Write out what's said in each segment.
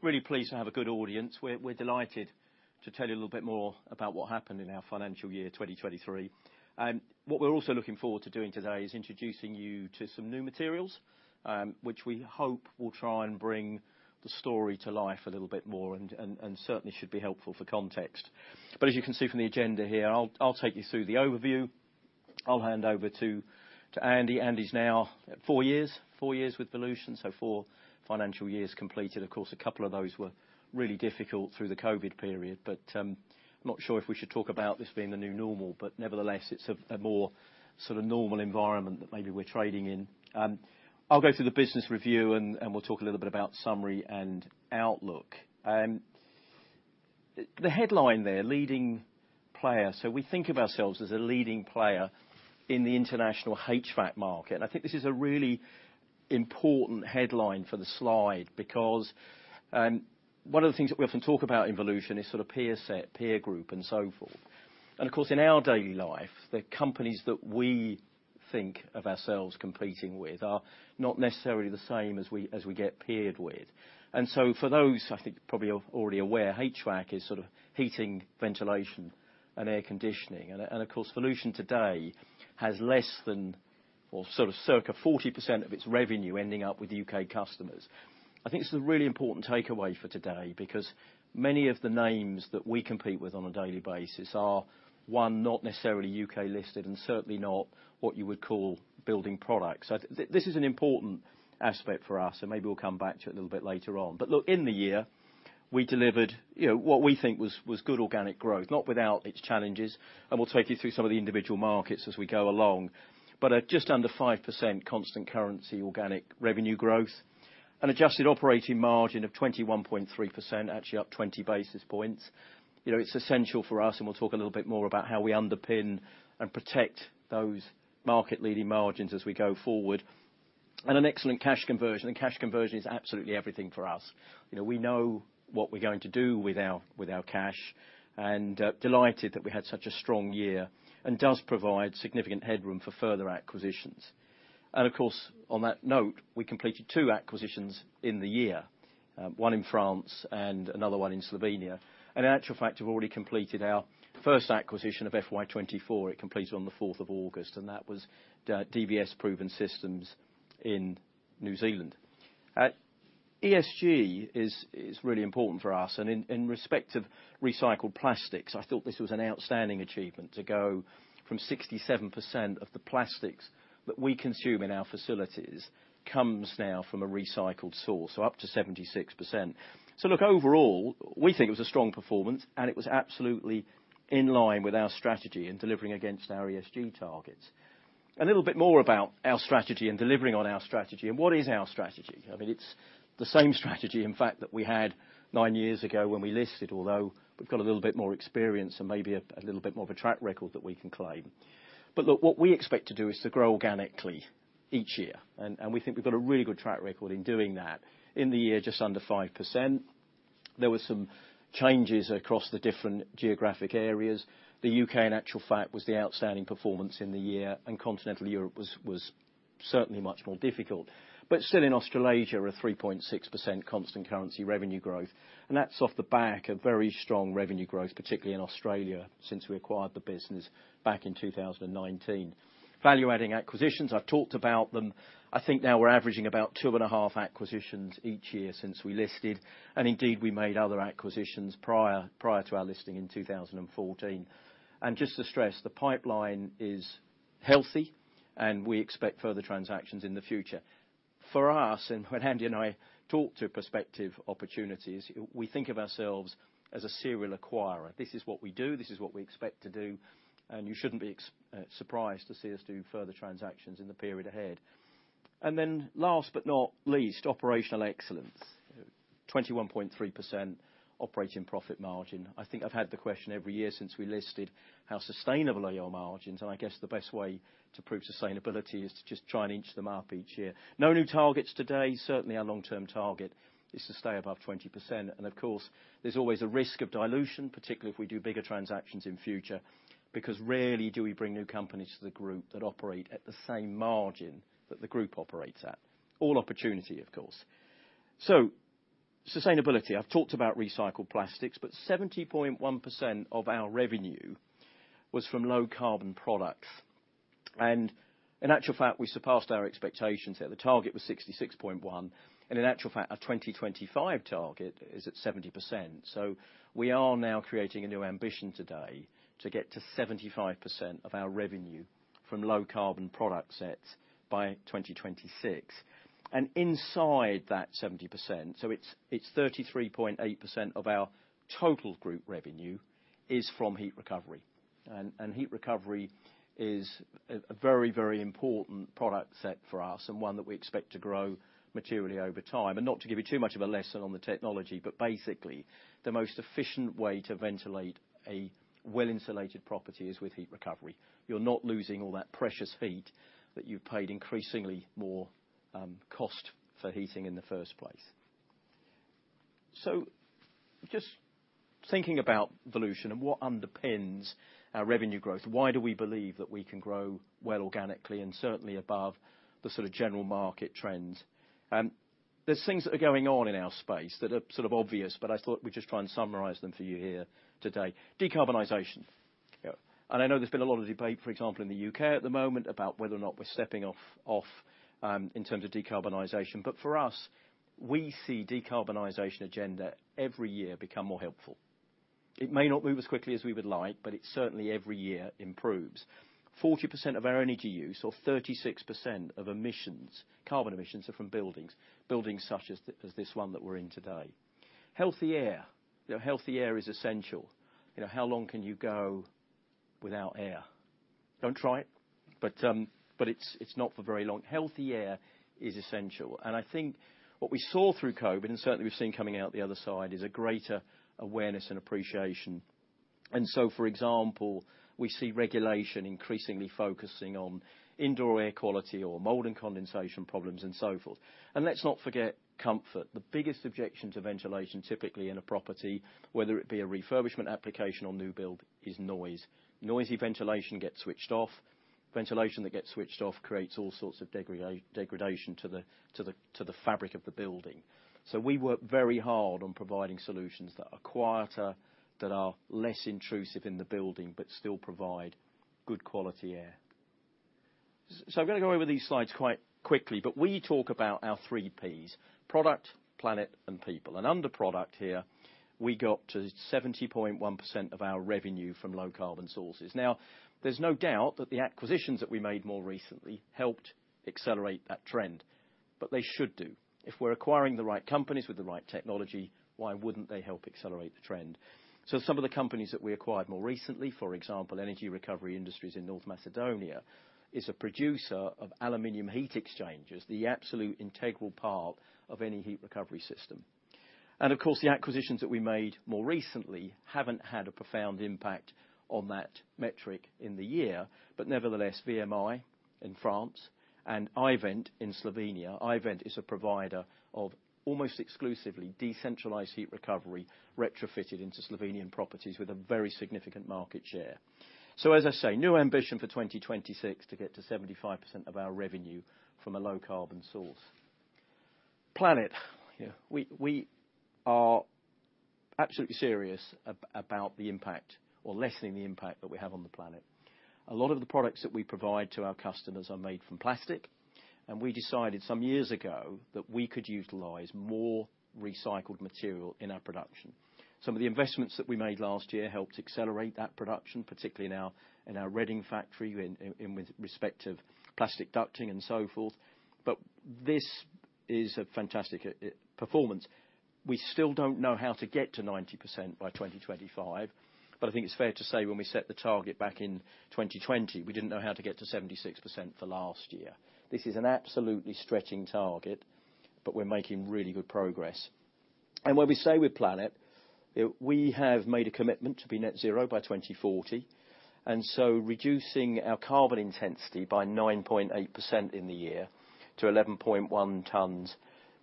Really pleased to have a good audience. We're delighted to tell you a little bit more about what happened in our financial year, 2023. And what we're also looking forward to doing today is introducing you to some new materials, which we hope will try and bring the story to life a little bit more, and certainly should be helpful for context. But as you can see from the agenda here, I'll take you through the overview. I'll hand over to Andy. Andy's now at four years with Volution, so four financial years completed. Of course, a couple of those were really difficult through the COVID period, but I'm not sure if we should talk about this being the new normal. But nevertheless, it's a more sort of normal environment that maybe we're trading in. I'll go through the business review, and we'll talk a little bit about summary and outlook. The headline there, leading player, so we think of ourselves as a leading player in the international HVAC market. And I think this is a really important headline for the slide because, and one of the things that we often talk about in Volution is sort of peer set, peer group, and so forth. And of course, in our daily life, the companies that we think of ourselves competing with are not necessarily the same as we get peered with. And so for those, I think probably are already aware, HVAC is sort of heating, ventilation, and air conditioning. And of course, Volution today has less than, or sort of circa 40% of its revenue ending up with U.K. customers. I think this is a really important takeaway for today because many of the names that we compete with on a daily basis are, one, not necessarily U.K. listed and certainly not what you would call building products. So this is an important aspect for us, and maybe we'll come back to it a little bit later on. But look, in the year, we delivered, you know, what we think was, was good organic growth, not without its challenges, and we'll take you through some of the individual markets as we go along. But at just under 5% constant currency organic revenue growth, an adjusted operating margin of 21.3%, actually up 20 basis points. You know, it's essential for us, and we'll talk a little bit more about how we underpin and protect those market-leading margins as we go forward. An excellent cash conversion, and cash conversion is absolutely everything for us. You know, we know what we're going to do with our, with our cash, and delighted that we had such a strong year and does provide significant headroom for further acquisitions. Of course, on that note, we completed two acquisitions in the year, one in France and another one in Slovenia. And in actual fact, we've already completed our first acquisition of FY 2024. It completed on the fourth of August, and that was DVS Proven Systems in New Zealand. ESG is really important for us, and in respect of recycled plastics, I thought this was an outstanding achievement to go from 67% of the plastics that we consume in our facilities comes now from a recycled source, so up to 76%. So look, overall, we think it was a strong performance, and it was absolutely in line with our strategy in delivering against our ESG targets. A little bit more about our strategy and delivering on our strategy, and what is our strategy? I mean, it's the same strategy, in fact, that we had nine years ago when we listed, although we've got a little bit more experience and maybe a, a little bit more of a track record that we can claim. But look, what we expect to do is to grow organically each year, and, and we think we've got a really good track record in doing that. In the year, just under 5%, there were some changes across the different geographic areas. The U.K., in actual fact, was the outstanding performance in the year, and Continental Europe was, was certainly much more difficult. Still in Australasia, a 3.6% constant currency revenue growth, and that's off the back of very strong revenue growth, particularly in Australia, since we acquired the business back in 2019. Value-adding acquisitions, I've talked about them. I think now we're averaging about 2.5% acquisitions each year since we listed, and indeed, we made other acquisitions prior, prior to our listing in 2014. Just to stress, the pipeline is healthy, and we expect further transactions in the future. For us, and when Andy and I talk to prospective opportunities, we think of ourselves as a serial acquirer. This is what we do, this is what we expect to do, and you shouldn't be surprised to see us do further transactions in the period ahead. Last but not least, operational excellence. 21.3% operating profit margin. I think I've had the question every year since we listed, "How sustainable are your margins?" And I guess the best way to prove sustainability is to just try and inch them up each year. No new targets today. Certainly, our long-term target is to stay above 20%. And of course, there's always a risk of dilution, particularly if we do bigger transactions in future, because rarely do we bring new companies to the group that operate at the same margin that the group operates at. All opportunity, of course. So sustainability, I've talked about recycled plastics, but 70.1% of our revenue was from low-carbon products. And in actual fact, we surpassed our expectations, and the target was 66.1%, and in actual fact, our 2025 target is at 70%. We are now creating a new ambition today to get to 75% of our revenue from low-carbon product sets by 2026. Inside that 70%, it's 33.8% of our total group revenue is from heat recovery. Heat recovery is a very important product set for us and one that we expect to grow materially over time. Not to give you too much of a lesson on the technology, but basically, the most efficient way to ventilate a well-insulated property is with heat recovery. You're not losing all that precious heat that you've paid increasingly more cost for heating in the first place. Just thinking about Volution and what underpins our revenue growth, why do we believe that we can grow well organically and certainly above the sort of general market trends? There's things that are going on in our space that are sort of obvious, but I thought we'd just try and summarize them for you here today. Decarbonization. And I know there's been a lot of debate, for example, in the U.K. at the moment, about whether or not we're stepping off in terms of decarbonization. But for us, we see decarbonization agenda every year become more helpful. It may not move as quickly as we would like, but it certainly every year improves. 40% of our energy use, or 36% of emissions, carbon emissions, are from buildings, buildings such as this one that we're in today. Healthy air. You know, healthy air is essential. You know, how long can you go without air? Don't try it, but it's not for very long. Healthy air is essential, and I think what we saw through COVID, and certainly we've seen coming out the other side, is a greater awareness and appreciation. So, for example, we see regulation increasingly focusing on indoor air quality or mold and condensation problems and so forth. Let's not forget comfort. The biggest objection to ventilation, typically in a property, whether it be a refurbishment application or new build, is noise. Noisy ventilation gets switched off. Ventilation that gets switched off creates all sorts of degradation to the fabric of the building. So we work very hard on providing solutions that are quieter, that are less intrusive in the building, but still provide good quality air. So I'm gonna go over these slides quite quickly, but we talk about our three Ps: Product, Planet, and People. Under product here, we got to 70.1% of our revenue from low carbon sources. Now, there's no doubt that the acquisitions that we made more recently helped accelerate that trend, but they should do. If we're acquiring the right companies with the right technology, why wouldn't they help accelerate the trend? So some of the companies that we acquired more recently, for example, Energy Recovery Industries in North Macedonia, is a producer of aluminum heat exchangers, the absolute integral part of any heat recovery system. And of course, the acquisitions that we made more recently haven't had a profound impact on that metric in the year. But nevertheless, VMI in France and i-Vent in Slovenia. i-Vent is a provider of almost exclusively decentralized heat recovery, retrofitted into Slovenian properties with a very significant market share. So as I say, new ambition for 2026 to get to 75% of our revenue from a low carbon source. Planet. We are absolutely serious about the impact or lessening the impact that we have on the planet. A lot of the products that we provide to our customers are made from plastic, and we decided some years ago that we could utilize more recycled material in our production. Some of the investments that we made last year helped accelerate that production, particularly in our Reading factory, in with respect of plastic ducting and so forth. But this is a fantastic performance. We still don't know how to get to 90% by 2025, but I think it's fair to say when we set the target back in 2020, we didn't know how to get to 76% for last year. This is an absolutely stretching target, but we're making really good progress. When we say we're planet, we have made a commitment to be net zero by 2040, and so reducing our carbon intensity by 9.8% in the year to 11.1 tons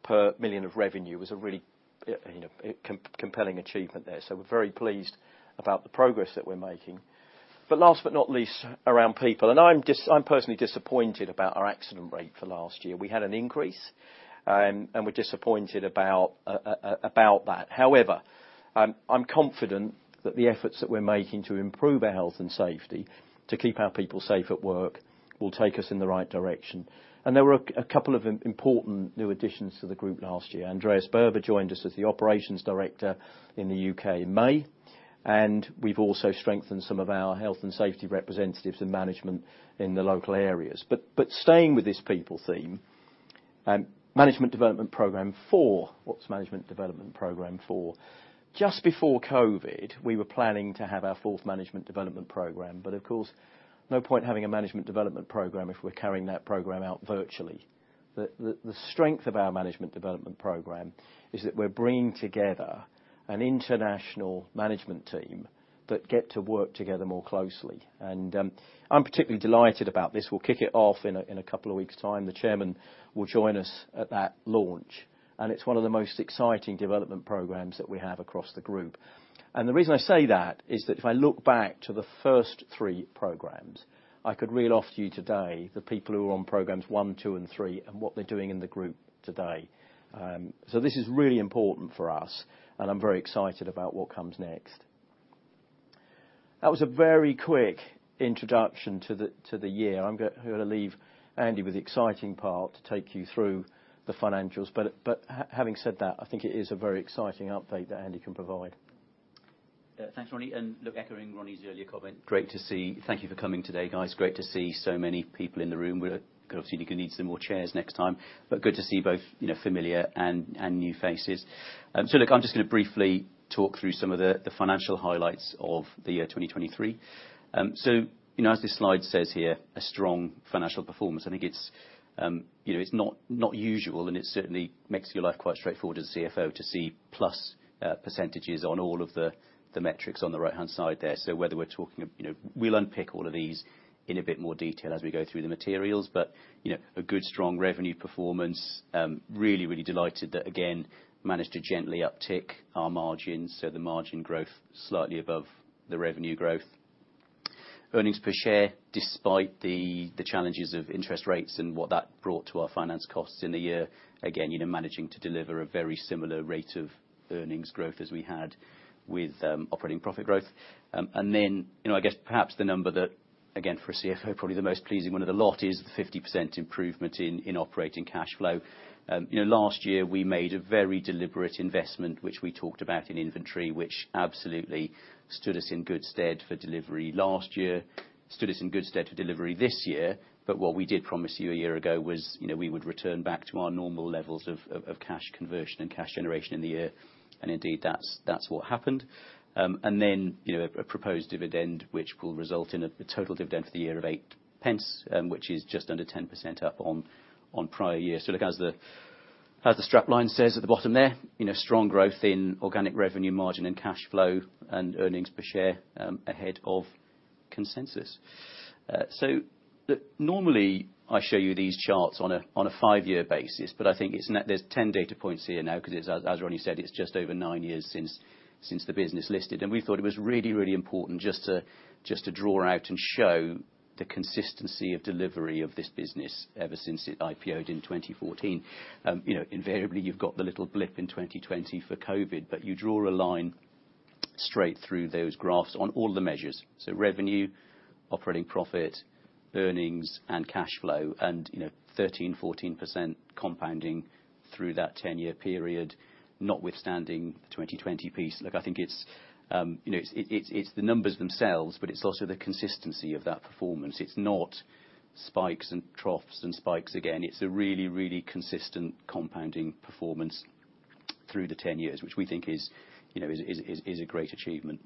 per 1 million of revenue was a really, you know, compelling achievement there. We're very pleased about the progress that we're making. Last but not least, around people, I'm personally disappointed about our accident rate for last year. We had an increase, and we're disappointed about that. However, I'm confident that the efforts that we're making to improve our health and safety, to keep our people safe at work, will take us in the right direction. There were a couple of important new additions to the group last year. Andreas Boeber joined us as the Operations Director in the U.K. in May, and we've also strengthened some of our health and safety representatives and management in the local areas. Staying with this people theme, management development program four. What's management development program four? Just before COVID, we were planning to have our fourth management development program, but of course, no point having a management development program if we're carrying that program out virtually. The strength of our management development program is that we're bringing together an international management team that get to work together more closely. I'm particularly delighted about this. We'll kick it off in a couple of weeks' time. The chairman will join us at that launch, and it's one of the most exciting development programs that we have across the group. And the reason I say that is that if I look back to the first three programs, I could reel off to you today the people who are on programs one, two, and three, and what they're doing in the group today. So this is really important for us, and I'm very excited about what comes next. That was a very quick introduction to the year. I'm gonna leave Andy with the exciting part to take you through the financials. But having said that, I think it is a very exciting update that Andy can provide. Thanks, Ronnie. And look, echoing Ronnie's earlier comment, great to see. Thank you for coming today, guys. Great to see so many people in the room. We're gonna obviously going to need some more chairs next time, but good to see both, you know, familiar and new faces. So look, I'm just gonna briefly talk through some of the financial highlights of the year 2023. So you know, as this slide says here, a strong financial performance, I think it's, you know, it's not usual, and it certainly makes your life quite straightforward as a CFO to see plus percentages on all of the metrics on the right-hand side there. So whether we're talking, you know, we'll unpick all of these in a bit more detail as we go through the materials, but, you know, a good, strong revenue performance. Really, really delighted that, again, managed to gently uptick our margins, so the margin growth slightly above the revenue growth. Earnings per share, despite the challenges of interest rates and what that brought to our finance costs in the year, again, you know, managing to deliver a very similar rate of earnings growth as we had with operating profit growth. And then, you know, I guess perhaps the number that, again, for a CFO, probably the most pleasing one of the lot is the 50% improvement in operating cash flow. You know, last year, we made a very deliberate investment, which we talked about in inventory, which absolutely stood us in good stead for delivery last year, stood us in good stead for delivery this year. But what we did promise you a year ago was, you know, we would return back to our normal levels of cash conversion and cash generation in the year, and indeed, that's what happened. And then, you know, a proposed dividend, which will result in a total dividend for the year of 0.08, which is just under 10% up on prior years. So look, as the strap line says at the bottom there, you know, strong growth in organic revenue margin and cash flow and earnings per share, ahead of consensus. So normally, I show you these charts on a five-year basis, but I think there's 10 data points here now, 'cause as Ronnie said, it's just over 9 years since the business listed. And we thought it was really, really important just to, just to draw out and show the consistency of delivery of this business ever since it IPO'd in 2014. You know, invariably, you've got the little blip in 2020 for COVID, but you draw a line straight through those graphs on all the measures, so revenue, operating profit, earnings, and cash flow, and, you know, 13% to 14% compounding through that ten-year period, notwithstanding the 2020 piece. Look, I think it's the numbers themselves, but it's also the consistency of that performance. It's not spikes and troughs and spikes again, it's a really, really consistent compounding performance through the ten years, which we think is, you know, is, is, is a great achievement.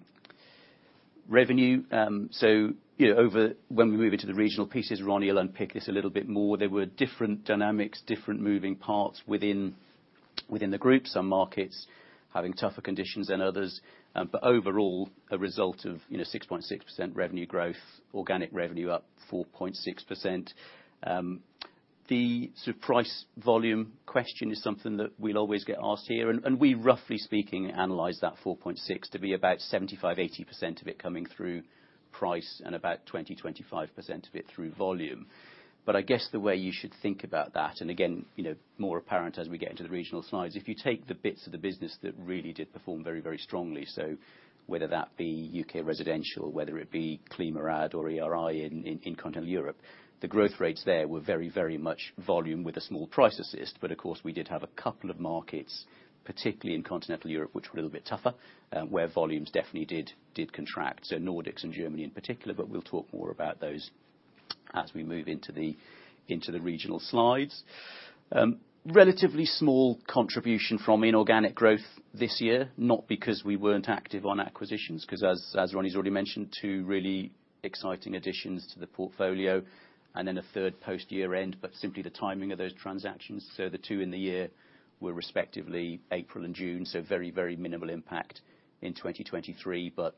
Revenue, you know, over when we move into the regional pieces, Ronnie will unpick this a little bit more. There were different dynamics, different moving parts within the group, some markets having tougher conditions than others. Overall, a result of, you know, 6.6% revenue growth, organic revenue up 4.6%. The sort of price volume question is something that we'll always get asked here, and we, roughly speaking, analyze that 4.6% to be about 75%-80% of it coming through price and about 20% to 25% of it through volume. But I guess the way you should think about that, and again, you know, more apparent as we get into the regional slides, if you take the bits of the business that really did perform very, very strongly, so whether that be U.K. residential, whether it be ClimaRad or ERI in continental Europe, the growth rates there were very much volume with a small price assist. But of course, we did have a couple of markets, particularly in continental Europe, which were a little bit tougher, where volumes definitely did contract. So Nordics and Germany in particular, but we'll talk more about those as we move into the regional slides. Relatively small contribution from inorganic growth this year, not because we weren't active on acquisitions, because as Ronnie's already mentioned, two really exciting additions to the portfolio, and then a third post-year end, but simply the timing of those transactions. The two in the year were respectively April and June, so very minimal impact in 2023, but,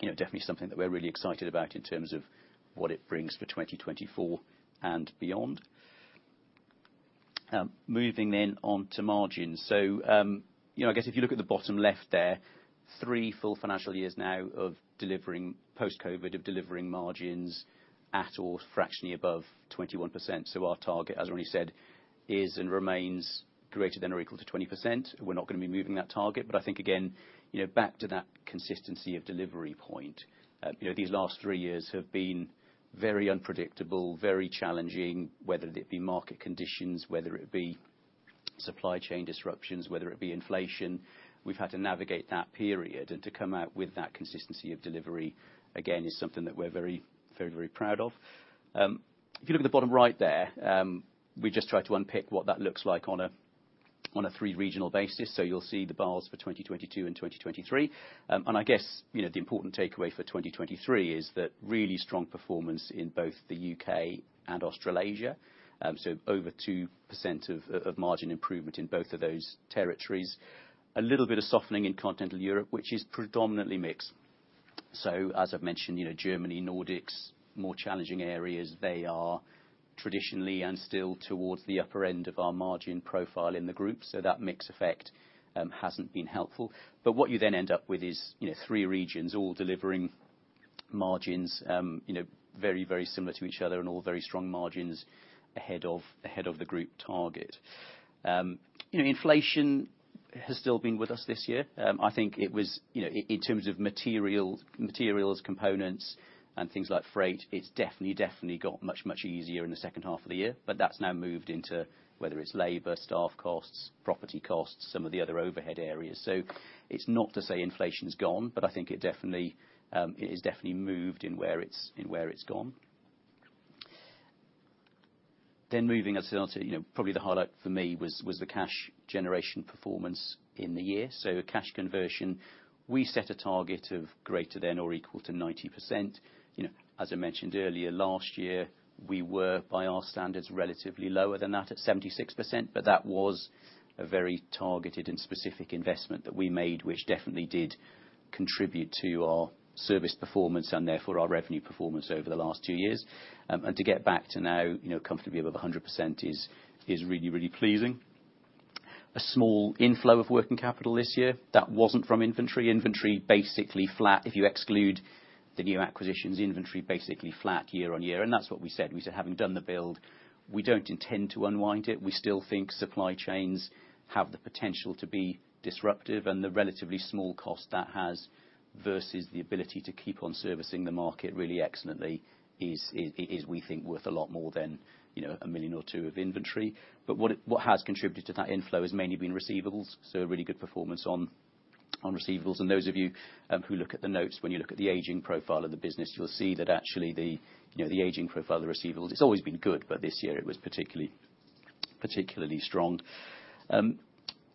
you know, definitely something that we're really excited about in terms of what it brings for 2024 and beyond. Moving then on to margins. You know, I guess if you look at the bottom left there, three full financial years now of delivering post-COVID, of delivering margins at or fractionally above 21%. Our target, as Ronnie said, is and remains greater than or equal to 20%. We're not gonna be moving that target, but I think, again, you know, back to that consistency of delivery point, you know, these last three years have been very unpredictable, very challenging, whether it be market conditions, whether it be supply chain disruptions, whether it be inflation. We've had to navigate that period, and to come out with that consistency of delivery, again, is something that we're very, very, very proud of. If you look at the bottom right there, we just tried to unpick what that looks like on a, on a three regional basis. So you'll see the bars for 2022 and 2023. And I guess, you know, the important takeaway for 2023 is that really strong performance in both the U.K. and Australasia. So over 2% of margin improvement in both of those territories. A little bit of softening in continental Europe, which is predominantly mixed. So as I've mentioned, you know, Germany, Nordics, more challenging areas, they are traditionally and still towards the upper end of our margin profile in the group, so that mix effect hasn't been helpful. But what you then end up with is, you know, three regions all delivering margins, you know, very, very similar to each other and all very strong margins ahead of, ahead of the group target. You know, inflation has still been with us this year. I think it was, you know, in terms of materials, components, and things like freight, it's definitely, definitely got much, much easier in the second half of the year. But that's now moved into whether it's labor, staff costs, property costs, some of the other overhead areas. So it's not to say inflation's gone, but I think it definitely, it has definitely moved in where it's, in where it's gone. Then moving us on to, you know, probably the highlight for me was, was the cash generation performance in the year. So cash conversion, we set a target of greater than or equal to 90%. You know, as I mentioned earlier, last year, we were, by our standards, relatively lower than that, at 76%, but that was a very targeted and specific investment that we made, which definitely did contribute to our service performance and therefore our revenue performance over the last two years. And to get back to now, you know, comfortably above 100% is, is really, really pleasing a small inflow of working capital this year. That wasn't from inventory. Inventory, basically flat. If you exclude the new acquisitions, inventory basically flat year on year, and that's what we said. We said, having done the build, we don't intend to unwind it. We still think supply chains have the potential to be disruptive, and the relatively small cost that has versus the ability to keep on servicing the market really excellently is, we think, worth a lot more than, you know, 1 million or 2 million of inventory. But what has contributed to that inflow has mainly been receivables, so a really good performance on receivables. And those of you who look at the notes, when you look at the aging profile of the business, you'll see that actually the, you know, the aging profile of the receivables, it's always been good, but this year it was particularly strong.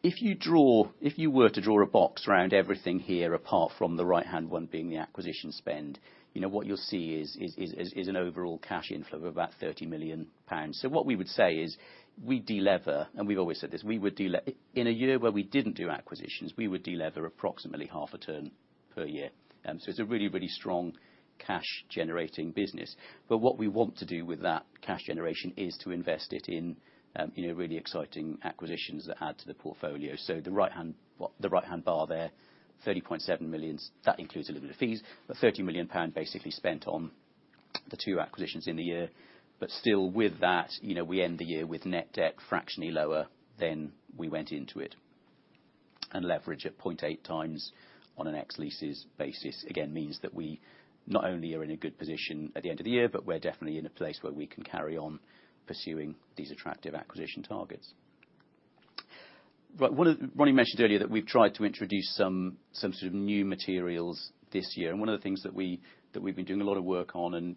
If you were to draw a box around everything here, apart from the right-hand one being the acquisition spend, you know, what you'll see is an overall cash inflow of about 30 million pounds. So what we would say is we de-lever, and we've always said this, we would de-lever in a year where we didn't do acquisitions, we would de-lever approximately half a turn per year. So it's a really, really strong cash-generating business. But what we want to do with that cash generation is to invest it in, you know, really exciting acquisitions that add to the portfolio. So the right-hand, well, the right-hand bar there, 30.7 million, that includes a little bit of fees, but 30 million pound basically spent on the two acquisitions in the year. But still, with that, you know, we end the year with net debt fractionally lower than we went into it. And leverage at 0.8 times on an ex-leases basis, again, means that we not only are in a good position at the end of the year, but we're definitely in a place where we can carry on pursuing these attractive acquisition targets. Right, one of Ronnie's mentioned earlier that we've tried to introduce some sort of new materials this year, and one of the things that we've been doing a lot of work on, and,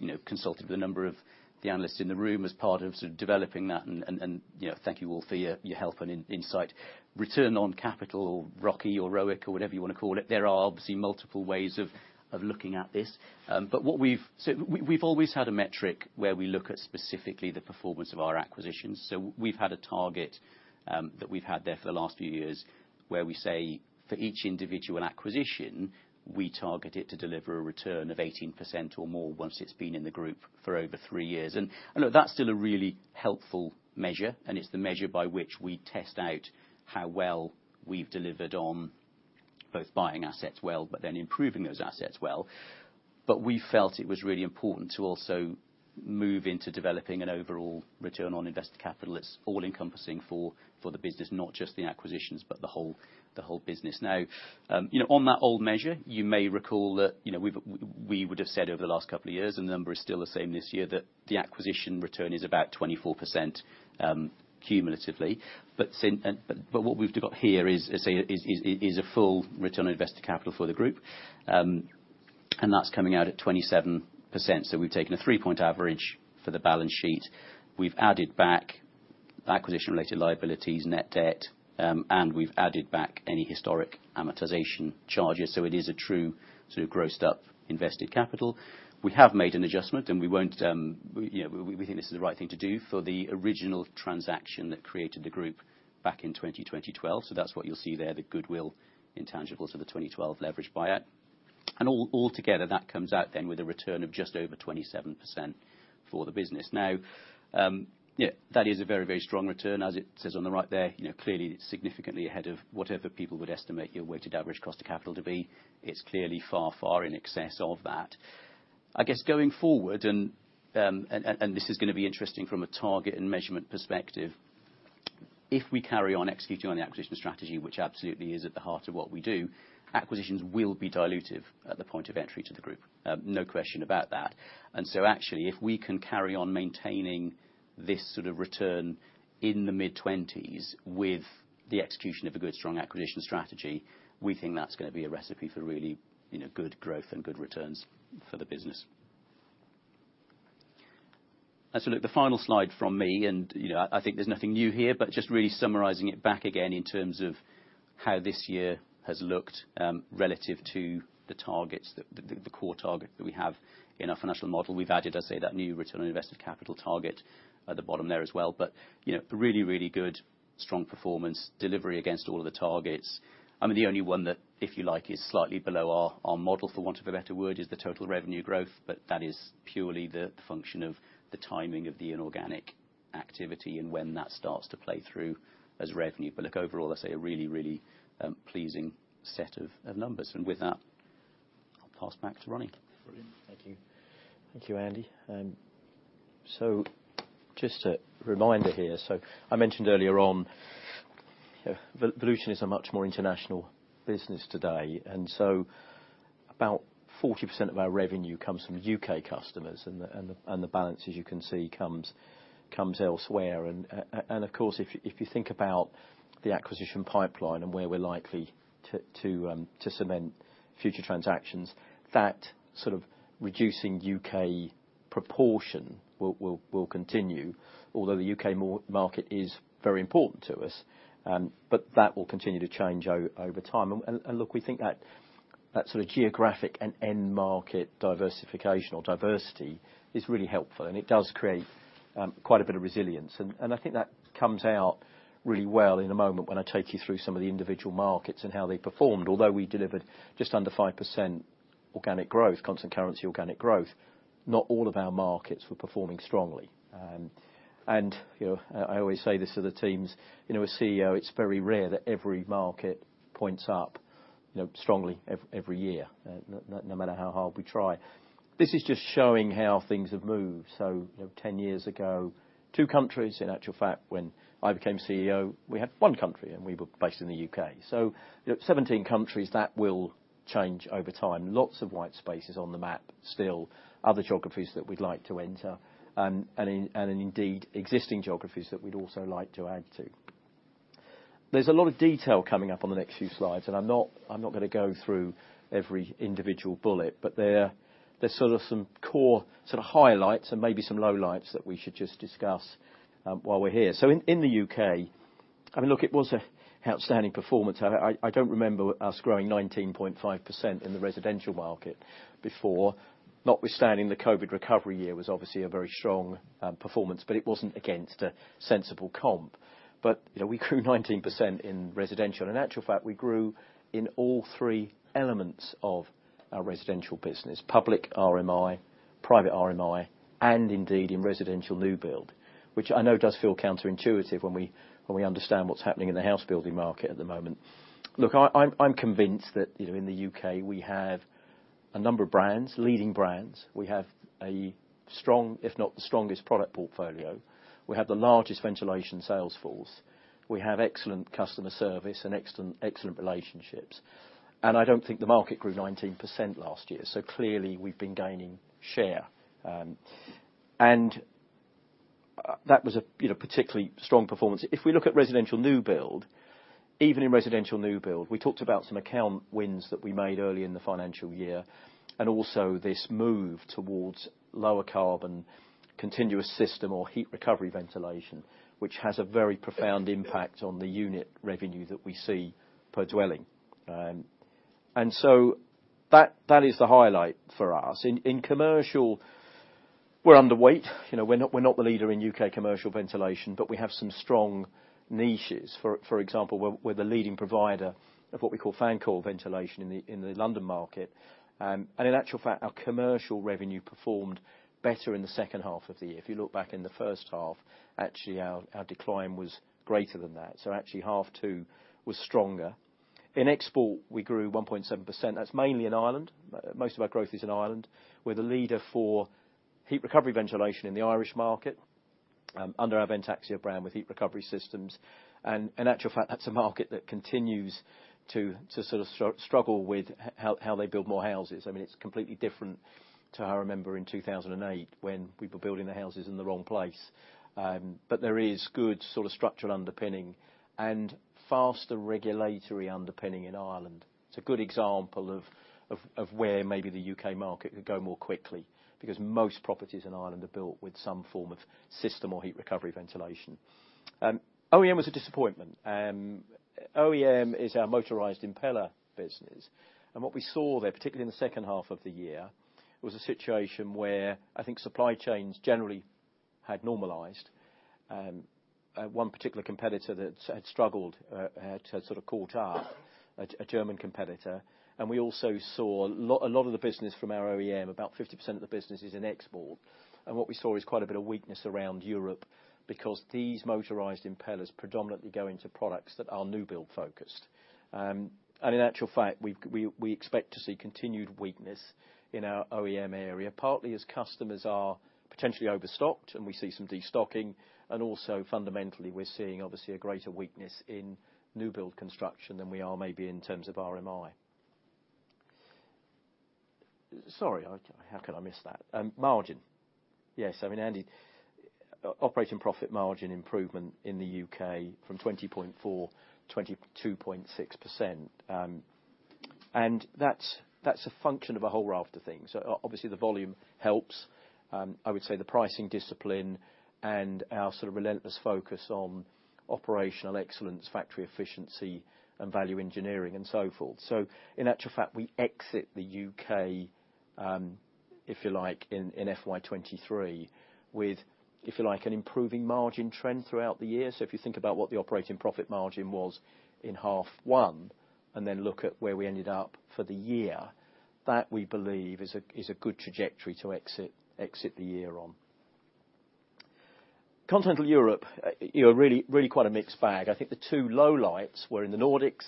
you know, consulted with a number of the analysts in the room as part of sort of developing that, you know, thank you all for your help and insight. Return on capital, or ROCE or ROIC or whatever you want to call it, there are obviously multiple ways of looking at this. But what we've always had a metric where we look at specifically the performance of our acquisitions. So we've had a target that we've had there for the last few years, where we say for each individual acquisition, we target it to deliver a return of 18% or more once it's been in the group for over three years. And look, that's still a really helpful measure, and it's the measure by which we test out how well we've delivered on both buying assets well, but then improving those assets well. But we felt it was really important to also move into developing an overall return on invested capital. It's all-encompassing for the business, not just the acquisitions, but the whole business. Now, you know, on that old measure, you may recall that, you know, we've, we would have said over the last couple of years, the number is still the same this year, that the acquisition return is about 24%, cumulatively. But, but what we've got here is a full return on invested capital for the group, and that's coming out at 27%. So we've taken a 3-point average for the balance sheet. We've added back acquisition-related liabilities, net debt, and we've added back any historic amortization charges, so it is a true sort of grossed up invested capital. We have made an adjustment, and we won't, you know, we think this is the right thing to do for the original transaction that created the group back in 2012. So that's what you'll see there, the goodwill intangibles of the 2012 leveraged buy-out. And all, altogether, that comes out then with a return of just over 27% for the business. Now, yeah, that is a very, very strong return, as it says on the right there, you know, clearly, significantly ahead of whatever people would estimate your weighted average cost of capital to be. It's clearly far, far in excess of that. I guess, going forward, and this is gonna be interesting from a target and measurement perspective, if we carry on executing on the acquisition strategy, which absolutely is at the heart of what we do, acquisitions will be dilutive at the point of entry to the group. No question about that. And so actually, if we can carry on maintaining this sort of return in the mid-twenties with the execution of a good, strong acquisition strategy, we think that's gonna be a recipe for really, you know, good growth and good returns for the business. And so, look, the final slide from me, and, you know, I think there's nothing new here, but just really summarizing it back again in terms of how this year has looked, relative to the targets, the core target that we have in our financial model. We've added, I say, that new return on invested capital target at the bottom there as well, but, you know, really, really good, strong performance, delivery against all of the targets. I mean, the only one that, if you like, is slightly below our, our model, for want of a better word, is the total revenue growth, but that is purely the function of the timing of the inorganic activity and when that starts to play through as revenue. But look, overall, I'd say a really, really, pleasing set of, of numbers. And with that, I'll pass back to Ronnie. Brilliant. Thank you, Andy. So just a reminder here, so I mentioned earlier on, Volution is a much more international business today, and so about 40% of our revenue comes from U.K. customers, and the balance, as you can see, comes elsewhere. And of course, if you think about the acquisition pipeline and where we're likely to cement future transactions, that sort of reducing U.K. proportion will continue, although the U.K. market is very important to us. But that will continue to change over time. And look, we think that sort of geographic and end market diversification or diversity is really helpful, and it does create quite a bit of resilience. I think that comes out really well in a moment when I take you through some of the individual markets and how they performed. Although we delivered just under 5% organic growth, constant currency organic growth, not all of our markets were performing strongly. You know, I always say this to the teams, you know, as CEO, it's very rare that every market points up, you know, strongly every year, no matter how hard we try. This is just showing how things have moved. You know, 10 years ago, two countries, in actual fact, when I became CEO, we had one country, and we were based in the U.K. You know, 17 countries, that will change over time. Lots of white spaces on the map, still, other geographies that we'd like to enter, and in, and indeed, existing geographies that we'd also like to add to. There's a lot of detail coming up on the next few slides, and I'm not, I'm not gonna go through every individual bullet, but there, there's sort of some core sort of highlights and maybe some lowlights that we should just discuss, while we're here. So in, in the U.K., I mean, look, it was an outstanding performance. I don't remember us growing 19.5% in the residential market before. Notwithstanding, the COVID recovery year was obviously a very strong performance, but it wasn't against a sensible comp. But, you know, we grew 19% in residential. In actual fact, we grew in all three elements of our residential business, public RMI, private RMI, and indeed, in residential new build, which I know does feel counterintuitive when we understand what's happening in the house building market at the moment. Look, I'm convinced that in the U.K. we have a number of brands, leading brands. We have a strong, if not the strongest, product portfolio. We have the largest ventilation sales force. We have excellent customer service and excellent, excellent relationships, and I don't think the market grew 19% last year, so clearly we've been gaining share. That was a, you know, particularly strong performance. If we look at residential new build, even in residential new build, we talked about some account wins that we made early in the financial year, and also this move towards lower carbon, continuous system or heat recovery ventilation, which has a very profound impact on the unit revenue that we see per dwelling. And so that is the highlight for us. In commercial, we're underweight. You know, we're not the leader in U.K. commercial ventilation, but we have some strong niches. For example, we're the leading provider of what we call Fan Coil Ventilation in the London market. And in actual fact, our commercial revenue performed better in the second half of the year. If you look back in the first half, actually, our decline was greater than that, so actually, half two was stronger. In export, we grew 1.7%. That's mainly in Ireland. Most of our growth is in Ireland. We're the leader for heat recovery ventilation in the Irish market under our Vent-Axia brand with heat recovery systems. And in actual fact, that's a market that continues to sort of struggle with how they build more houses. I mean, it's completely different too. I remember in 2008, when we were building the houses in the wrong place. But there is good sort of structural underpinning and faster regulatory underpinning in Ireland. It's a good example of where maybe the U.K. market could go more quickly, because most properties in Ireland are built with some form of system or heat recovery ventilation. OEM was a disappointment. OEM is our motorized impeller business, and what we saw there, particularly in the second half of the year, was a situation where I think supply chains generally had normalized. One particular competitor that had struggled had sort of caught up, a German competitor. We also saw a lot, a lot of the business from our OEM, about 50% of the business is in export. What we saw is quite a bit of weakness around Europe because these motorized impellers predominantly go into products that are new build focused. In actual fact, we expect to see continued weakness in our OEM area, partly as customers are potentially overstocked, and we see some destocking, and also fundamentally, we're seeing obviously a greater weakness in new build construction than we are maybe in terms of RMI. How could I miss that? Margin. Yes, I mean, Andy, operating profit margin improvement in the UK from 20.4%-22.6%. And that's a function of a whole raft of things. So obviously, the volume helps. I would say the pricing discipline and our sort of relentless focus on operational excellence, factory efficiency, and value engineering, and so forth. So in actual fact, we exit the UK, if you like, in FY 2023 with an improving margin trend throughout the year. So if you think about what the operating profit margin was in half one, and then look at where we ended up for the year, that, we believe, is a good trajectory to exit the year on. Continental Europe, you know, really quite a mixed bag. I think the two lowlights were in the Nordics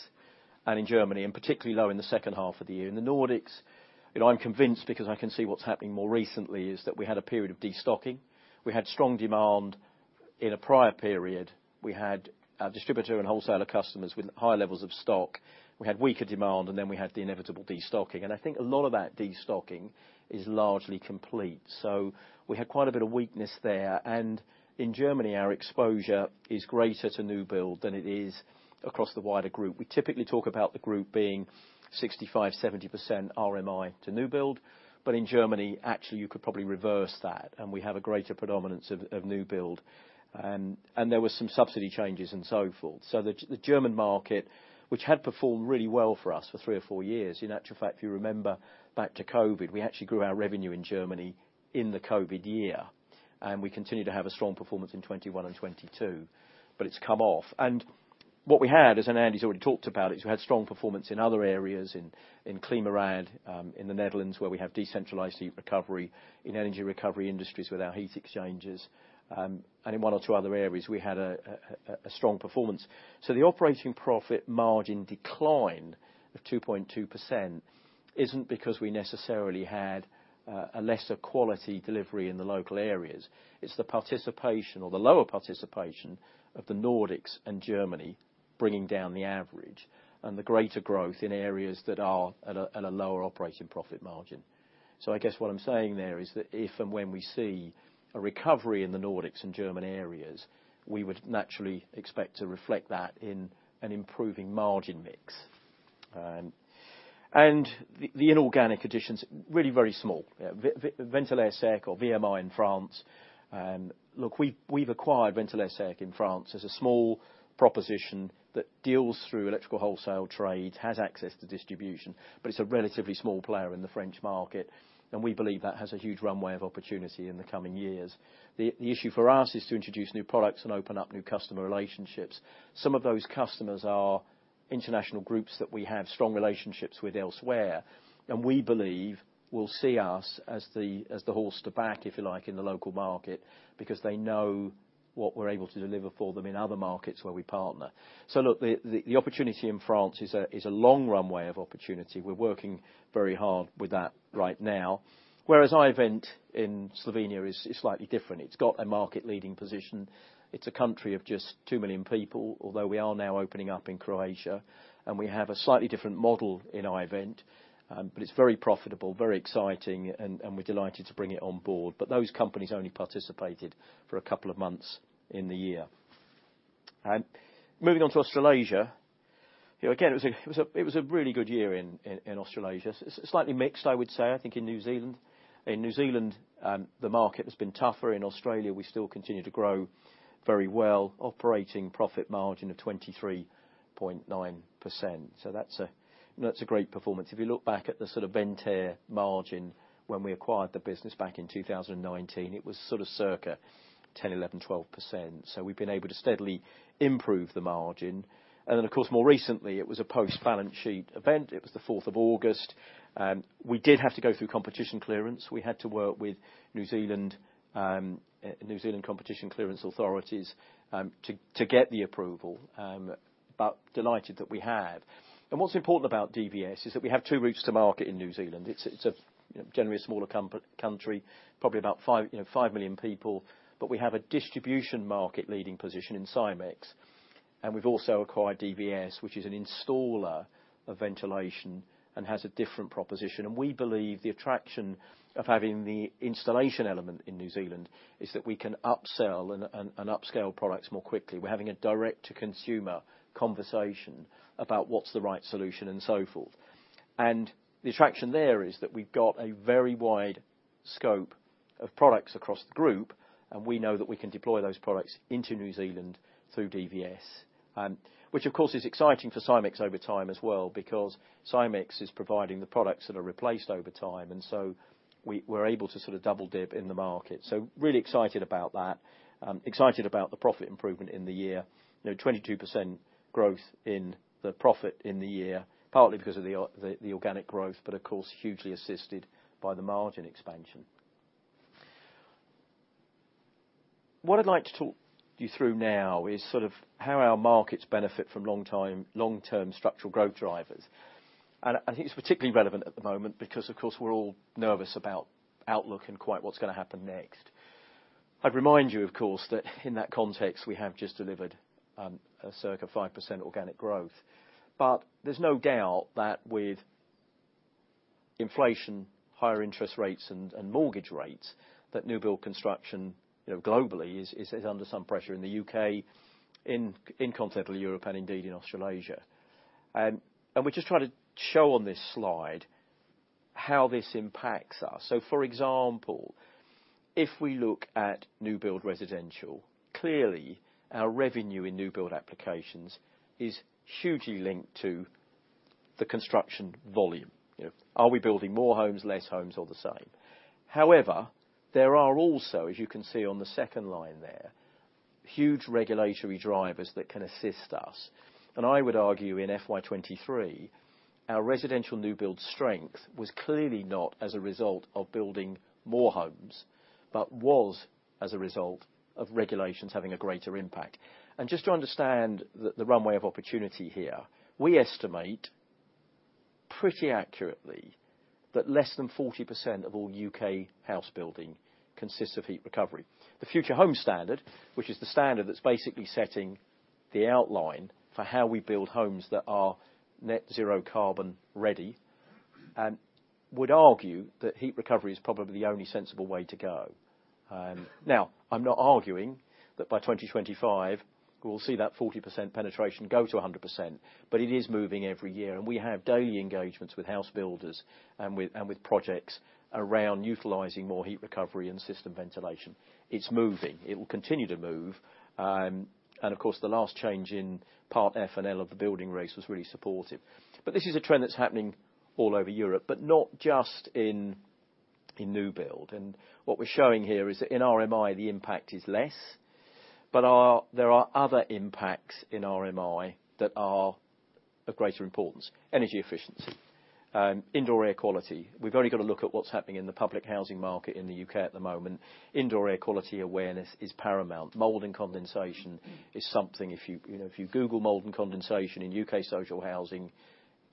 and in Germany, and particularly low in the second half of the year. In the Nordics, you know, I'm convinced, because I can see what's happening more recently, is that we had a period of destocking. We had strong demand in a prior period. We had our distributor and wholesaler customers with high levels of stock. We had weaker demand, and then we had the inevitable destocking, and I think a lot of that destocking is largely complete. So we had quite a bit of weakness there. And in Germany, our exposure is greater to new build than it is across the wider group. We typically talk about the group being 65%-70% RMI to new build, but in Germany, actually, you could probably reverse that, and we have a greater predominance of new build. And there were some subsidy changes and so forth. So the German market, which had performed really well for us for three or four years... In actual fact, if you remember back to COVID, we actually grew our revenue in Germany in the COVID year.... And we continue to have a strong performance in 2021 and 2022, but it's come off. And what we had, and Andy's already talked about it, is we had strong performance in other areas, in ClimaRad, in the Netherlands, where we have decentralized heat recovery, in energy recovery industries with our heat exchangers, and in one or two other areas, we had a strong performance. So the operating profit margin decline of 2.2% isn't because we necessarily had a lesser quality delivery in the local areas. It's the participation or the lower participation of the Nordics and Germany bringing down the average, and the greater growth in areas that are at a lower operating profit margin. So I guess what I'm saying there is that if and when we see a recovery in the Nordics and German areas, we would naturally expect to reflect that in an improving margin mix. And the inorganic additions, really very small. Yeah, Ventilairsec or VMI in France, look, we've acquired Ventilairsec in France as a small proposition that deals through electrical wholesale trade, has access to distribution, but it's a relatively small player in the French market, and we believe that has a huge runway of opportunity in the coming years. The issue for us is to introduce new products and open up new customer relationships. Some of those customers are international groups that we have strong relationships with elsewhere, and we believe will see us as the horse to back, if you like, in the local market, because they know what we're able to deliver for them in other markets where we partner. So look, the opportunity in France is a long runway of opportunity. We're working very hard with that right now. Whereas i-Vent in Slovenia is slightly different. It's got a market-leading position. It's a country of just 2 million people, although we are now opening up in Croatia, and we have a slightly different model in i-Vent, but it's very profitable, very exciting, and we're delighted to bring it on board. But those companies only participated for a couple of months in the year. Moving on to Australasia. You know, again, it was a really good year in Australasia. Slightly mixed, I would say, I think in New Zealand. In New Zealand, the market has been tougher. In Australia, we still continue to grow very well, operating profit margin of 23.9%. So that's a great performance. If you look back at the sort of Ventair margin when we acquired the business back in 2019, it was sort of circa 10%, 11%, 12%. So we've been able to steadily improve the margin. And then, of course, more recently, it was a post-balance sheet event. It was the fourth of August, and we did have to go through competition clearance. We had to work with New Zealand, New Zealand competition clearance authorities, to, to get the approval, but delighted that we have. And what's important about DVS is that we have two routes to market in New Zealand. It's a, you know, generally a smaller country, probably about 5, you know, 5 million people, but we have a distribution market leading position in Simx, and we've also acquired DVS, which is an installer of ventilation and has a different proposition. And we believe the attraction of having the installation element in New Zealand is that we can upsell and, and, and upscale products more quickly. We're having a direct-to-consumer conversation about what's the right solution and so forth. The attraction there is that we've got a very wide scope of products across the group, and we know that we can deploy those products into New Zealand through DVS, which of course is exciting for Simx over time as well, because Simx is providing the products that are replaced over time, and so we're able to sort of double dip in the market. So really excited about that. Excited about the profit improvement in the year. You know, 22% growth in the profit in the year, partly because of the organic growth, but of course, hugely assisted by the margin expansion. What I'd like to talk you through now is sort of how our markets benefit from long-term structural growth drivers. It's particularly relevant at the moment because, of course, we're all nervous about outlook and quite what's going to happen next. I'd remind you, of course, that in that context, we have just delivered a circa 5% organic growth. There's no doubt that with inflation, higher interest rates, and mortgage rates, new build construction globally is under some pressure in the U.K., in continental Europe, and indeed in Australasia. We're just trying to show on this slide how this impacts us. For example, if we look at new build residential, clearly, our revenue in new build applications is hugely linked to the construction volume. You know, are we building more homes, less homes or the same? However, there are also, as you can see on the second line there, huge regulatory drivers that can assist us. And I would argue in FY 23, our residential new build strength was clearly not as a result of building more homes, but was as a result of regulations having a greater impact. And just to understand the runway of opportunity here, we estimate pretty accurately that less than 40% of all UK house building consists of heat recovery. The Future Homes Standard, which is the standard that's basically setting the outline for how we build homes that are net zero carbon ready, would argue that heat recovery is probably the only sensible way to go. Now, I'm not arguing that by 2025, we'll see that 40% penetration go to 100%, but it is moving every year, and we have daily engagements with house builders and with, and with projects around utilizing more heat recovery and system ventilation. It's moving. It will continue to move, and of course, the last change in Part F and L of the Building Regulations was really supportive. But this is a trend that's happening all over Europe, but not just in new build. And what we're showing here is that in RMI, the impact is less, but there are other impacts in RMI that are of greater importance. Energy efficiency, indoor air quality. We've only got to look at what's happening in the public housing market in the U.K. at the moment. Indoor air quality awareness is paramount. Mold and condensation is something if you, you know, if you Google mold and condensation in U.K. social housing,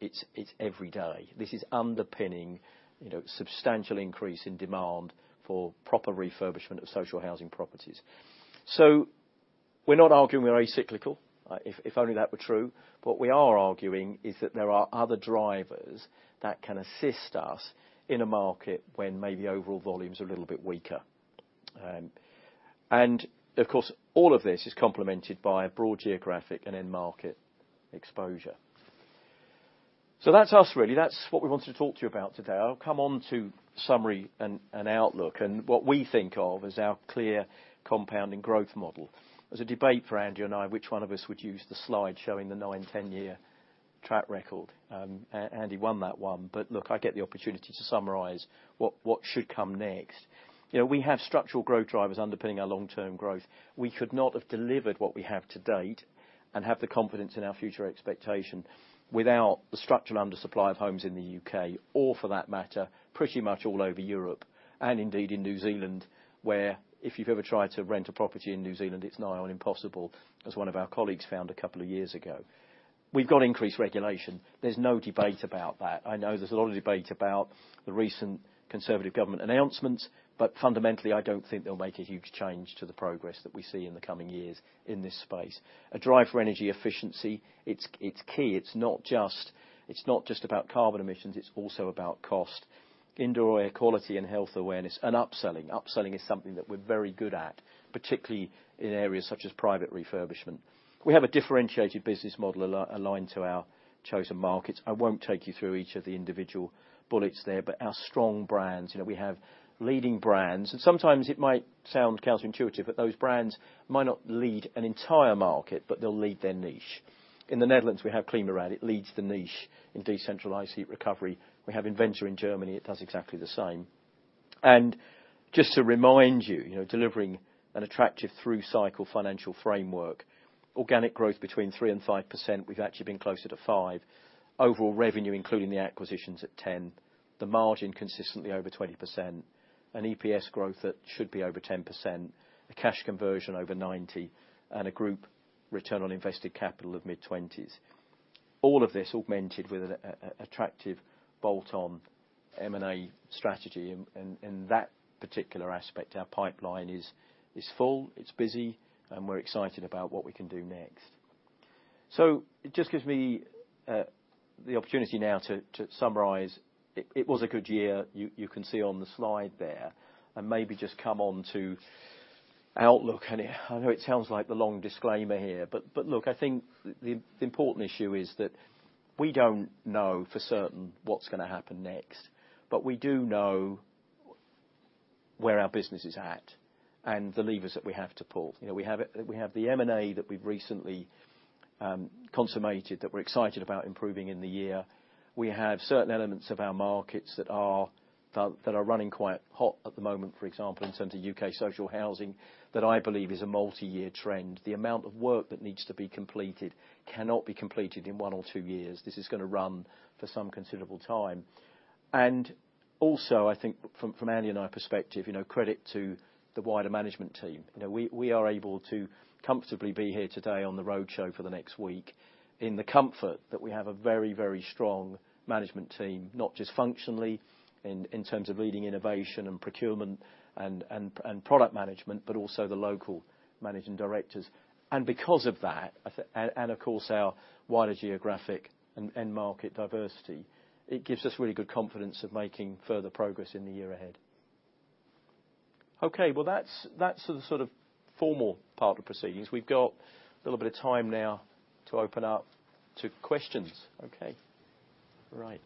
it's, it's every day. This is underpinning, you know, substantial increase in demand for proper refurbishment of social housing properties. We're not arguing we're a cyclical. If only that were true, what we are arguing is that there are other drivers that can assist us in a market when maybe overall volume's a little bit weaker. Of course, all of this is complemented by a broad geographic and end market exposure. That's us, really. That's what we wanted to talk to you about today. I'll come on to summary and outlook, and what we think of as our clear compounding growth model. There was a debate for Andy and I, which one of us would use the slide showing the nine, 10-year track record. Andy won that one. But look, I get the opportunity to summarize what should come next. You know, we have structural growth drivers underpinning our long-term growth. We could not have delivered what we have to date and have the confidence in our future expectation without the structural undersupply of homes in the UK, or for that matter, pretty much all over Europe, and indeed in New Zealand, where if you've ever tried to rent a property in New Zealand, it's nigh on impossible, as one of our colleagues found a couple of years ago. We've got increased regulation. There's no debate about that. I know there's a lot of debate about the recent conservative government announcements, but fundamentally, I don't think they'll make a huge change to the progress that we see in the coming years in this space. A drive for energy efficiency, it's key. It's not just about carbon emissions, it's also about cost. Indoor air quality and health awareness and upselling. Upselling is something that we're very good at, particularly in areas such as private refurbishment. We have a differentiated business model aligned to our chosen markets. I won't take you through each of the individual bullets there, but our strong brands, you know, we have leading brands, and sometimes it might sound counterintuitive, but those brands might not lead an entire market, but they'll lead their niche. In the Netherlands, we have ClimaRad. It leads the niche in decentralized heat recovery. We have inVENTer in Germany, it does exactly the same. And just to remind you, you know, delivering an attractive through-cycle financial framework, organic growth between 3% and 5%, we've actually been closer to 5%. Overall revenue, including the acquisitions, at 10. The margin consistently over 20%. An EPS growth that should be over 10%. A cash conversion over 90, and a group return on invested capital of mid-20s. All of this augmented with an attractive bolt-on M&A strategy, and in that particular aspect, our pipeline is full, it's busy, and we're excited about what we can do next. So it just gives me the opportunity now to summarize. It was a good year, you can see on the slide there, and maybe just come on to outlook. I know it sounds like the long disclaimer here, but look, I think the important issue is that we don't know for certain what's gonna happen next, but we do know where our business is at and the levers that we have to pull. You know, we have the M&A that we've recently consummated, that we're excited about improving in the year. We have certain elements of our markets that are running quite hot at the moment, for example, in terms of U.K. social housing, that I believe is a multi-year trend. The amount of work that needs to be completed cannot be completed in one or two years. This is gonna run for some considerable time. And also, I think from Andy and I perspective, you know, credit to the wider management team. You know, we are able to comfortably be here today on the roadshow for the next week in the comfort that we have a very, very strong management team, not just functionally in terms of leading innovation and procurement and product management, but also the local managing directors. And because of that, and of course, our wider geographic and market diversity, it gives us really good confidence of making further progress in the year ahead. Okay, well, that's the sort of formal part of proceedings. We've got a little bit of time now to open up to questions. All right.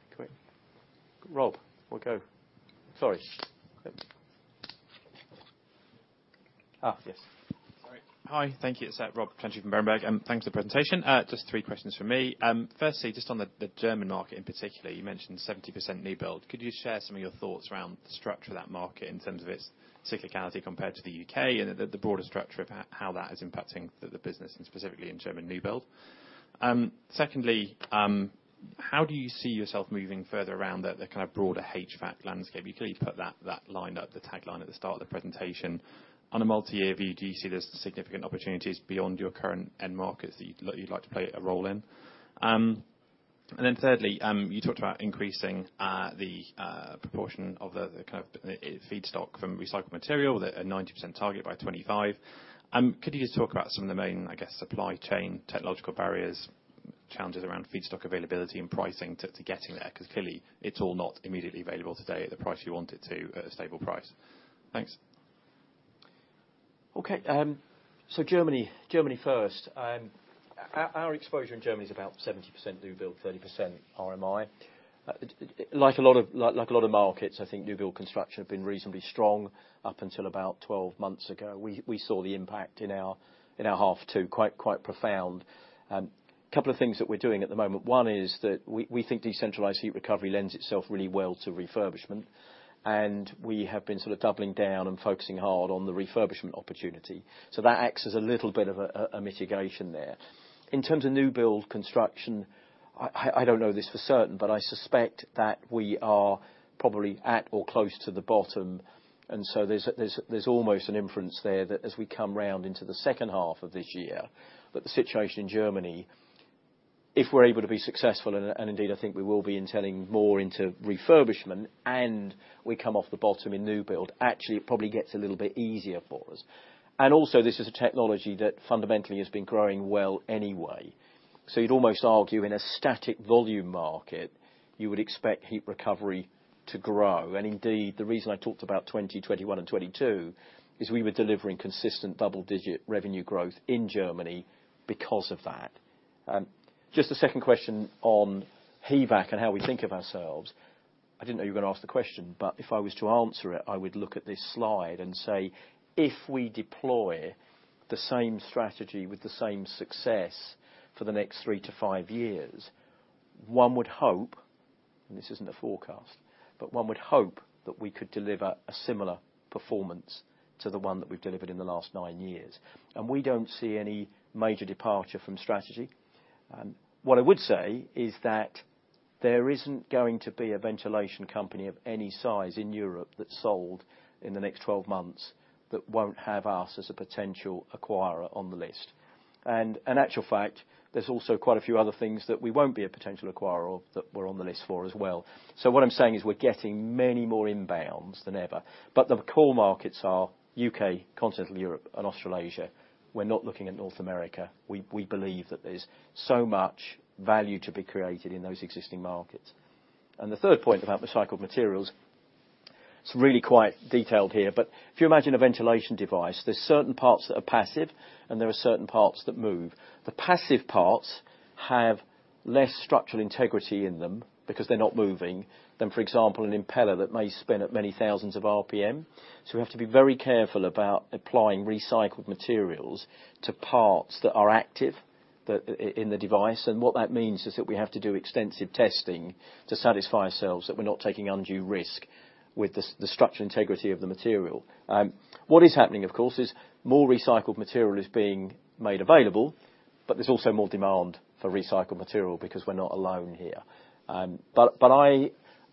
Hi, thank you. It's Rob Kenny from Berenberg, and thanks for the presentation. Just three questions from me. Firstly, just on the German market in particular, you mentioned 70% new build. Could you share some of your thoughts around the structure of that market in terms of its cyclicality compared to the UK and the broader structure of how that is impacting the business and specifically in German new build? Secondly, how do you see yourself moving further around the kind of broader HVAC landscape? You clearly put that line up, the tagline at the start of the presentation. On a multi-year view, do you see there's significant opportunities beyond your current end markets that you'd like to play a role in? And then thirdly, you talked about increasing the proportion of the kind of feedstock from recycled material, a 90% target by 2025. Could you just talk about some of the main, I guess, supply chain, technological barriers, challenges around feedstock availability and pricing to getting there? Because clearly, it's all not immediately available today at the price you want it to, at a stable price. Thanks. Okay. Germany first. Our exposure in Germany is about 70% new build, 30% RMI. It, like a lot of markets, I think new build construction have been reasonably strong up until about 12 months ago. We saw the impact in our half two, quite profound. Couple of things that we're doing at the moment. One is that we think decentralized heat recovery lends itself really well to refurbishment, and we have been sort of doubling down and focusing hard on the refurbishment opportunity. So that acts as a little bit of a mitigation there. In terms of new build construction, I don't know this for certain, but I suspect that we are probably at or close to the bottom, and so there's almost an inference there that as we come round into the second half of this year, that the situation in Germany, if we're able to be successful, and indeed, I think we will be, in turning more into refurbishment and we come off the bottom in new build, actually, it probably gets a little bit easier for us. And also, this is a technology that fundamentally has been growing well anyway. So you'd almost argue in a static volume market, you would expect heat recovery to grow. And indeed, the reason I talked about 2020, 2021, and 2022, is we were delivering consistent double-digit revenue growth in Germany because of that. Just a second question on HVAC and how we think of ourselves. I didn't know you were gonna ask the question, but if I was to answer it, I would look at this slide and say, if we deploy the same strategy with the same success for the next three to five years, one would hope, and this isn't a forecast, but one would hope that we could deliver a similar performance to the one that we've delivered in the last nine years. And we don't see any major departure from strategy. What I would say is that there isn't going to be a ventilation company of any size in Europe that's sold in the next 12 months that won't have us as a potential acquirer on the list. And in actual fact, there's also quite a few other things that we won't be a potential acquirer of that we're on the list for as well. So what I'm saying is we're getting many more inbounds than ever, but the core markets are U.K., Continental Europe, and Australasia. We're not looking at North America. We believe that there's so much value to be created in those existing markets. And the third point about recycled materials, it's really quite detailed here, but if you imagine a ventilation device, there's certain parts that are passive and there are certain parts that move. The passive parts have less structural integrity in them, because they're not moving, than, for example, an impeller that may spin at many thousands of RPM. So we have to be very careful about applying recycled materials to parts that are active that, in the device. What that means is that we have to do extensive testing to satisfy ourselves that we're not taking undue risk with the structural integrity of the material. What is happening, of course, is more recycled material is being made available, but there's also more demand for recycled material because we're not alone here.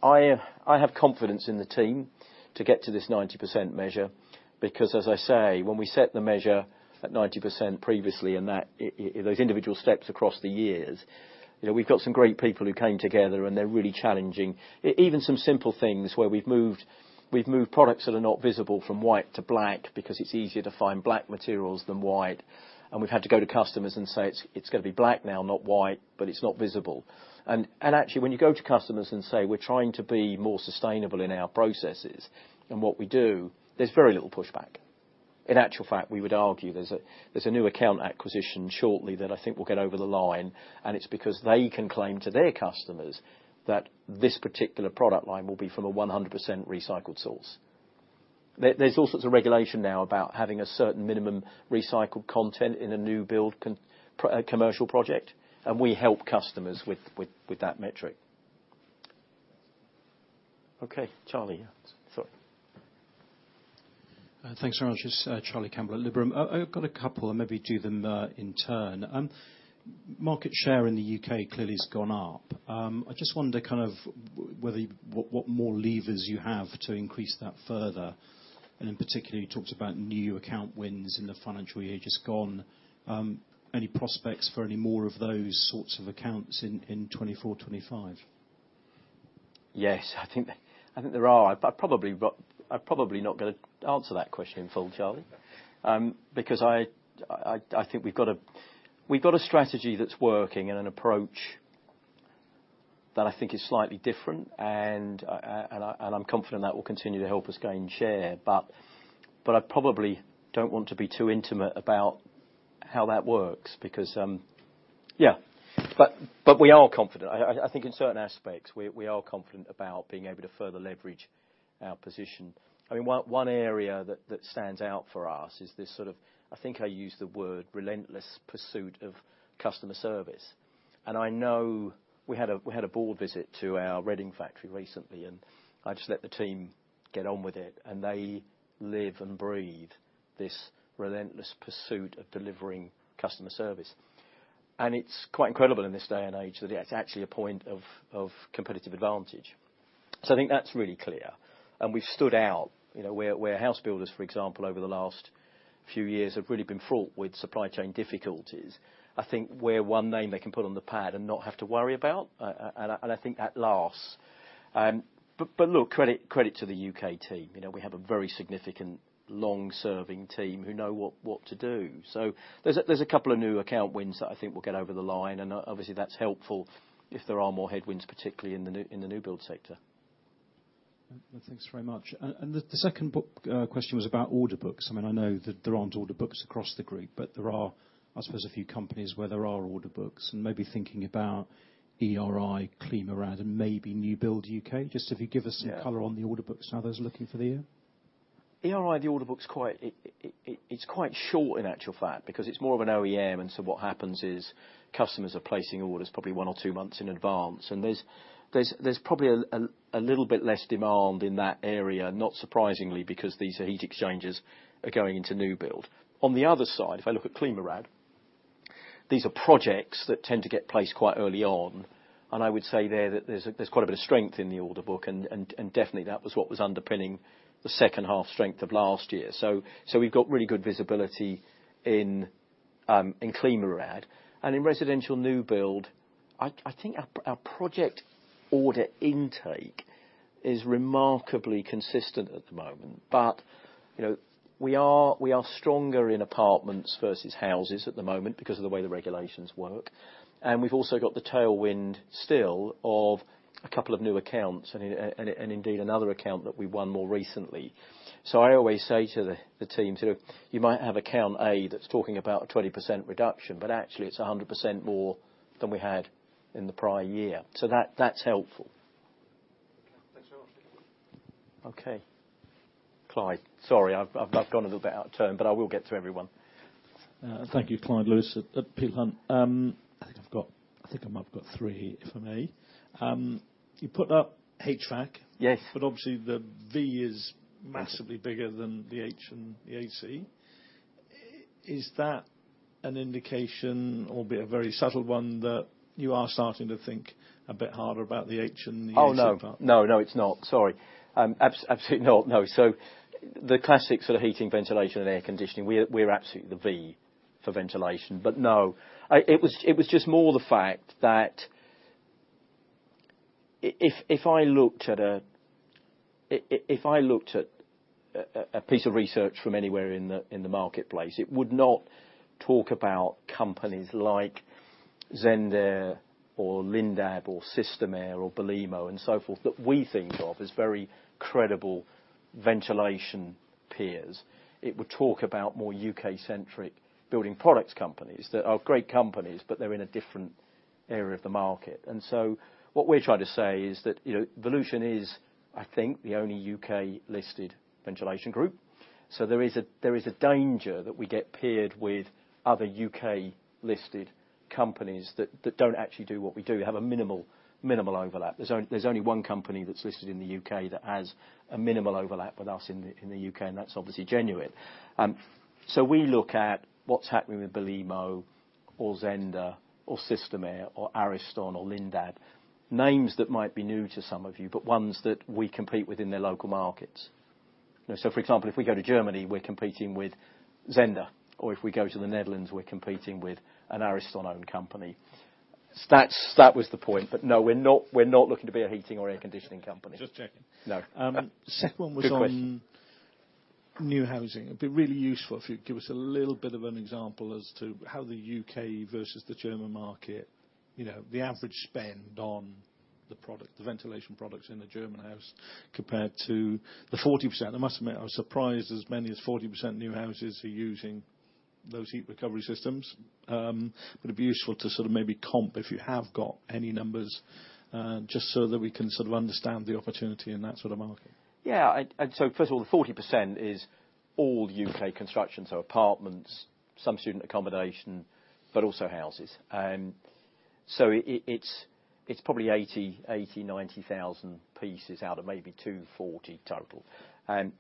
I have confidence in the team to get to this 90% measure, because as I say, when we set the measure at 90% previously, and that those individual steps across the years, you know, we've got some great people who came together, and they're really challenging. Even some simple things where we've moved, we've moved products that are not visible from white to black because it's easier to find black materials than white. And we've had to go to customers and say, "It's gonna be black now, not white, but it's not visible." And actually, when you go to customers and say, "We're trying to be more sustainable in our processes and what we do," there's very little pushback. In actual fact, we would argue there's a new account acquisition shortly that I think will get over the line, and it's because they can claim to their customers that this particular product line will be from a 100% recycled source. There's all sorts of regulation now about having a certain minimum recycled content in a new build commercial project, and we help customers with that metric. Okay, Charlie. Sorry. Thanks very much. It's Charlie Campbell at Liberum. I've got a couple, and maybe do them in turn. Market share in the UK clearly has gone up. I just wondered kind of whether what more levers you have to increase that further. And in particular, you talked about new account wins in the financial year just gone. Any prospects for any more of those sorts of accounts in 2024, 2025? Yes, I think, I think there are. I'm probably not gonna answer that question in full, Charlie, because I, I, I think we've got a, we've got a strategy that's working and an approach that I think is slightly different, and I, and I'm confident that will continue to help us gain share. I probably don't want to be too intimate about how that works because we are confident. I, I think in certain aspects, we, we are confident about being able to further leverage our position. I mean, one area that, that stands out for us is this sort of, I think I use the word relentless pursuit of customer service. I know we had a board visit to our Reading factory recently, and I just let the team get on with it, and they live and breathe this relentless pursuit of delivering customer service. And it's quite incredible in this day and age that it's actually a point of competitive advantage. So I think that's really clear, and we've stood out. You know, where house builders, for example, over the last few years have really been fraught with supply chain difficulties, I think we're one name they can put on the pad and not have to worry about, and I think at last. But look, credit to the U.K. team. You know, we have a very significant long-serving team who know what to do. So there's a couple of new account wins that I think will get over the line, and obviously, that's helpful if there are more headwinds, particularly in the new build sector. Thanks very much. And the second book question was about order books. I mean, I know that there aren't order books across the group, but there are, I suppose, a few companies where there are order books, and maybe thinking about ERI, ClimaRad, and maybe New Build UK. Just if you give us some color-on the order books, how those are looking for the year? ERI, the order book's quite, it's quite short in actual fact, because it's more of an OEM, and so what happens is, customers are placing orders probably one or two months in advance, and there's probably a little bit less demand in that area, not surprisingly, because these are heat exchangers are going into new build. On the other side, if I look at ClimaRad, these are projects that tend to get placed quite early on, and I would say there that there's quite a bit of strength in the order book, and definitely that was what was underpinning the second half strength of last year. So we've got really good visibility in ClimaRad. In residential new build, I think our project order intake is remarkably consistent at the moment, but, you know, we are stronger in apartments versus houses at the moment because of the way the regulations work. We've also got the tailwind still of a couple of new accounts, and indeed, another account that we won more recently. I always say to the team, sort of, "You might have account A that's talking about a 20% reduction, but actually it's 100% more than we had in the prior year." That's helpful. Thanks very much. Okay. Clyde. Sorry, I've gone a little bit out of turn, but I will get to everyone. Thank you, Clyde Lewis at Peel Hunt. I think I might have got three, if I may. You put up HVAC. Yes. But obviously the V is massively bigger than the H and the AC. Is that an indication, albeit a very subtle one, that you are starting to think a bit harder about the H and the AC part? No, it's not. Sorry. Absolutely not. No. So the classic sort of heating, ventilation, and air conditioning, we're absolutely the V for ventilation. But no, it was just more the fact that if I looked at a piece of research from anywhere in the marketplace, it would not talk about companies like Zehnder or Lindab or Systemair or Belimo and so forth, that we think of as very credible ventilation peers. It would talk about more U.K.-centric building products companies, that are great companies, but they're in a different area of the market. And so what we're trying to say is that, you know, Volution is, I think, the only U.K.-listed ventilation group. There is a danger that we get paired with other U.K.-listed companies that don't actually do what we do, have a minimal, minimal overlap. There's only one company that's listed in the U.K. that has a minimal overlap with us in the U.K., and that's obviously Zehnder. You know, we look at what's happening with Belimo or Zehnder or Systemair or Ariston or Lindab, names that might be new to some of you, but ones that we compete with in their local markets. You know, for example, if we go to Germany, we're competing with Zehnder, or if we go to the Netherlands, we're competing with an Ariston-owned company. That was the point, but no, we're not looking to be a heating or air conditioning company. Just checking. No. Second one was on-new housing. It'd be really useful if you'd give us a little bit of an example as to how the UK versus the German market, you know, the average spend on the product, the ventilation products in a German house, compared to the 40%. I must admit, I was surprised as many as 40% new houses are using those heat recovery systems. But it'd be useful to sort of maybe compare, if you have got any numbers, just so that we can sort of understand the opportunity in that sort of market. Yeah, and so first of all, the 40% is all UK construction, so apartments, some student accommodation, but also houses. So it's probably 80-90 thousand pieces out of maybe 240 total. And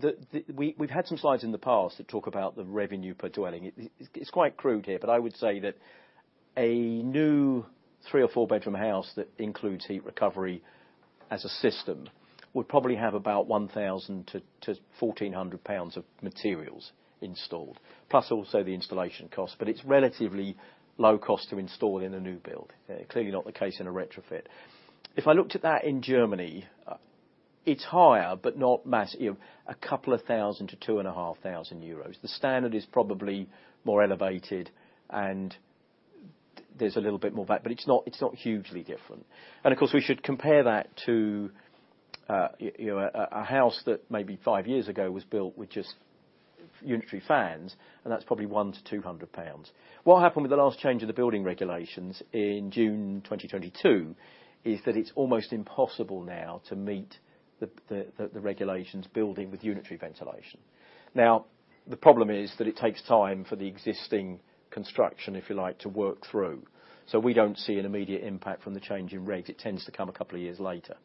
the... We've had some slides in the past that talk about the revenue per dwelling. It's quite crude here, but I would say that a new 3- or 4-bedroom house that includes heat recovery as a system would probably have about 1,000-1,400 pounds of materials installed, plus also the installation cost, but it's relatively low cost to install in a new build. Clearly not the case in a retrofit. If I looked at that in Germany, it's higher, but not mass- you know, 2,000 to 2,500 euros. The standard is probably more elevated, and there's a little bit more of that, but it's not, it's not hugely different. And of course, we should compare that to, you know, a house that maybe five years ago was built with just unitary fans, and that's probably 100 to 200 pounds. What happened with the last change of the building regulations in June 2022 is that it's almost impossible now to meet the regulations building with unitary ventilation. Now, the problem is that it takes time for the existing construction, if you like, to work through. So we don't see an immediate impact from the change in rates. It tends to come a couple of years later.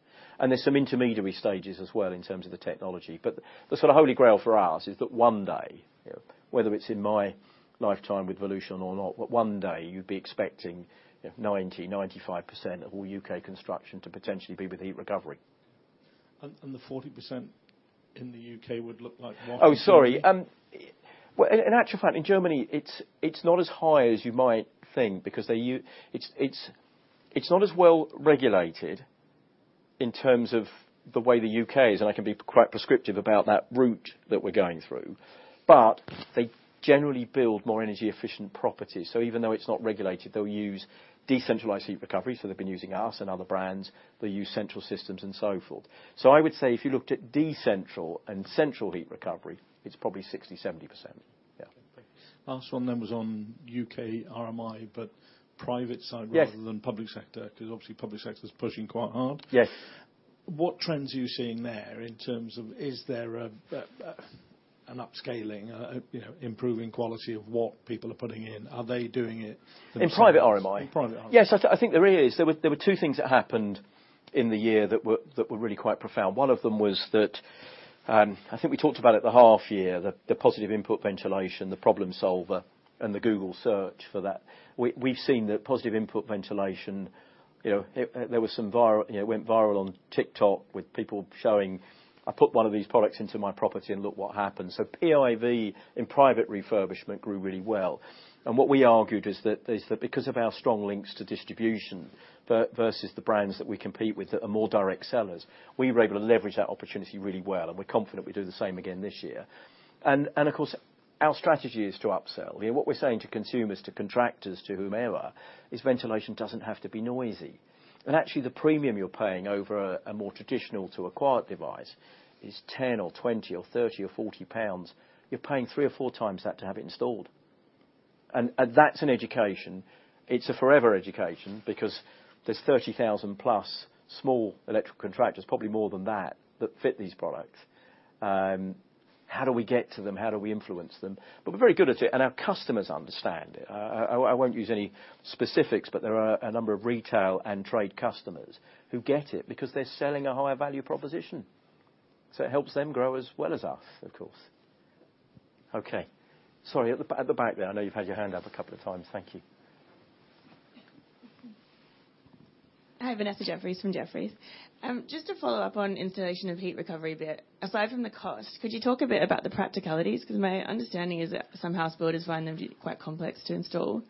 There's some intermediary stages as well in terms of the technology, but the sort of holy grail for us is that one day, you know, whether it's in my lifetime with Volution or not, but one day you'd be expecting, you know, 90% to 95% of all U.K. construction to potentially be with heat recovery. And the 40% in the U..K would look like what? Oh, sorry. Well, in actual fact, in Germany, it's not as high as you might think, because it's not as well regulated in terms of the way the U.K. is, and I can be quite prescriptive about that route that we're going through, but they generally build more energy-efficient properties. So even though it's not regulated, they'll use decentralized heat recovery, so they've been using us and other brands. They'll use central systems and so forth. So I would say if you looked at decentral and central heat recovery, it's probably 60% to 70%. Yeah. Thank you. Last one then was on U.K. RMI, but private side-rather than public sector, because obviously public sector is pushing quite hard. Yes. What trends are you seeing there in terms of, is there an upscaling, you know, improving quality of what people are putting in? Are they doing it themselves? In private RMI? In private RMI. Yes, I think there is. There were two things that happened in the year that were really quite profound. One of them was that, I think we talked about at the half year, the Positive Input Ventilation, the problem solver, and the Google search for that. We've seen that Positive Input Ventilation, you know, there was some viral, you know, it went viral on TikTok with people showing: I put one of these products into my property and look what happened. So PIV in private refurbishment grew really well. And what we argued is that because of our strong links to distribution, versus the brands that we compete with that are more direct sellers, we were able to leverage that opportunity really well, and we're confident we'll do the same again this year. Of course, our strategy is to upsell. You know, what we're saying to consumers, to contractors, to whomever, is ventilation doesn't have to be noisy. And actually, the premium you're paying over a, a more traditional to a quiet device is 10 or 20 or 30 or 40 pounds. You're paying three or four times that to have it installed. And that's an education. It's a forever education because there's 30,000 plus small electrical contractors, probably more than that, that fit these products. How do we get to them? How do we influence them? But we're very good at it, and our customers understand it. I won't use any specifics, but there are a number of retail and trade customers who get it because they're selling a higher value proposition, so it helps them grow as well as us, of course. Okay. Sorry, at the back there, I know you've had your hand up a couple of times. Thank you. Hi, Vanessa Jeffriess from Jefferies. Just to follow up on installation of heat recovery a bit, aside from the cost, could you talk a bit about the practicalities? 'Cause my understanding is that some house builders find them to be quite complex to install.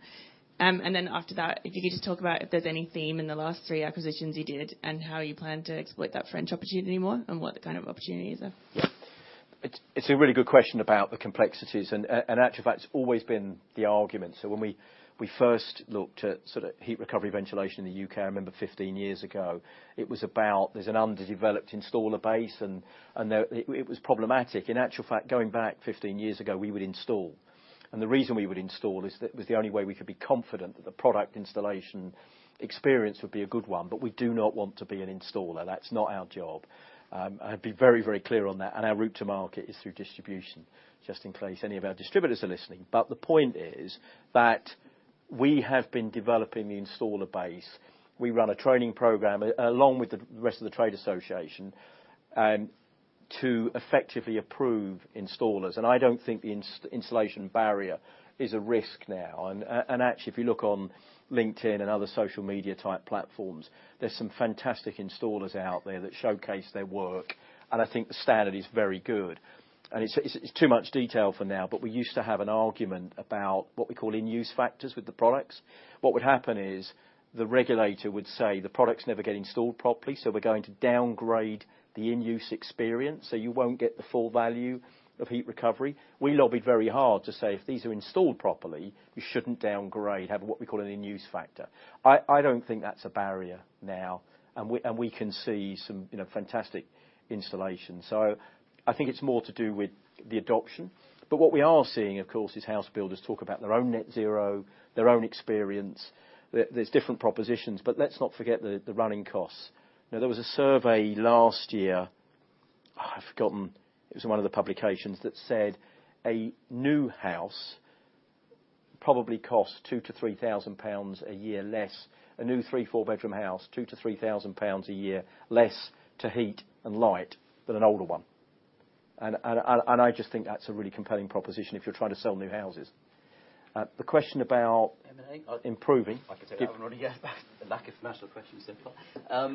And then after that, if you could just talk about if there's any theme in the last three acquisitions you did, and how you plan to exploit that French opportunity more, and what kind of opportunity is there? It's a really good question about the complexities, and actual fact, it's always been the argument. So when we first looked at sort of heat recovery ventilation in the UK, I remember 15 years ago, it was about there's an underdeveloped installer base, and it was problematic. In actual fact, going back 15 years ago, we would install. And the reason we would install is that it was the only way we could be confident that the product installation experience would be a good one, but we do not want to be an installer. That's not our job. I'd be very, very clear on that, and our route to market is through distribution, just in case any of our distributors are listening. But the point is that we have been developing the installer base. We run a training program, along with the rest of the trade association, and to effectively approve installers, and I don't think the installation barrier is a risk now. Actually, if you look on LinkedIn and other social media type platforms, there's some fantastic installers out there that showcase their work, and I think the standard is very good. It's too much detail for now, but we used to have an argument about what we call in-use factors with the products. What would happen is the regulator would say, "The products never get installed properly, so we're going to downgrade the in-use experience, so you won't get the full value of heat recovery." We lobbied very hard to say, "If these are installed properly, you shouldn't downgrade," have what we call an in-use factor. I don't think that's a barrier now, and we, and we can see some, you know, fantastic installations. So I think it's more to do with the adoption. But what we are seeing, of course, is house builders talk about their own net zero, their own experience. There, there's different propositions, but let's not forget the, the running costs. Now, there was a survey last year, it was one of the publications that said a new house probably costs 2,000 to 3,000 pounds a year less, a new three to four bedroom house, 2,000 to 3,000 pounds a year less to heat and light than an older one. I just think that's a really compelling proposition if you're trying to sell new houses. The question about- M&A -improving. I can take that one, Ronnie, yeah. The lack of national questions is simple.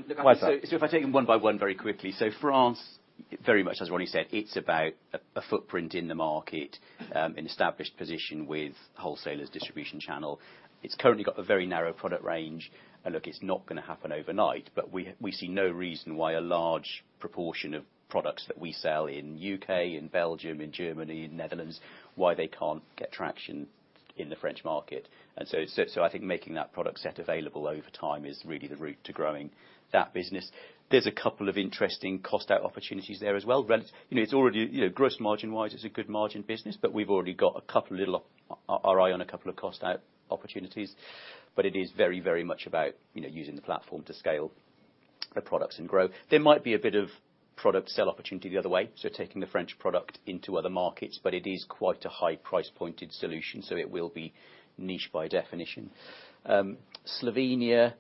Look- Quite right. If I take them one by one very quickly. France, very much as Ronnie said, it's about a footprint in the market, you know, an established position with wholesalers' distribution channel. It's currently got a very narrow product range. It's not gonna happen overnight, but we see no reason why a large proportion of products that we sell in the U.K., in Belgium, in Germany, in Netherlands, why they can't get traction in the French market. I think making that product set available over time is really the route to growing that business. There's a couple of interesting cost out opportunities there as well. You know, it's already, you know, gross margin-wise, it's a good margin business, but we've already got a couple of little... Our eye on a couple of cost out opportunities, but it is very, very much about, you know, using the platform to scale the products and grow. There might be a bit of product sell opportunity the other way, so taking the French product into other markets, but it is quite a high price pointed solution, so it will be niche by definition. Slovenia,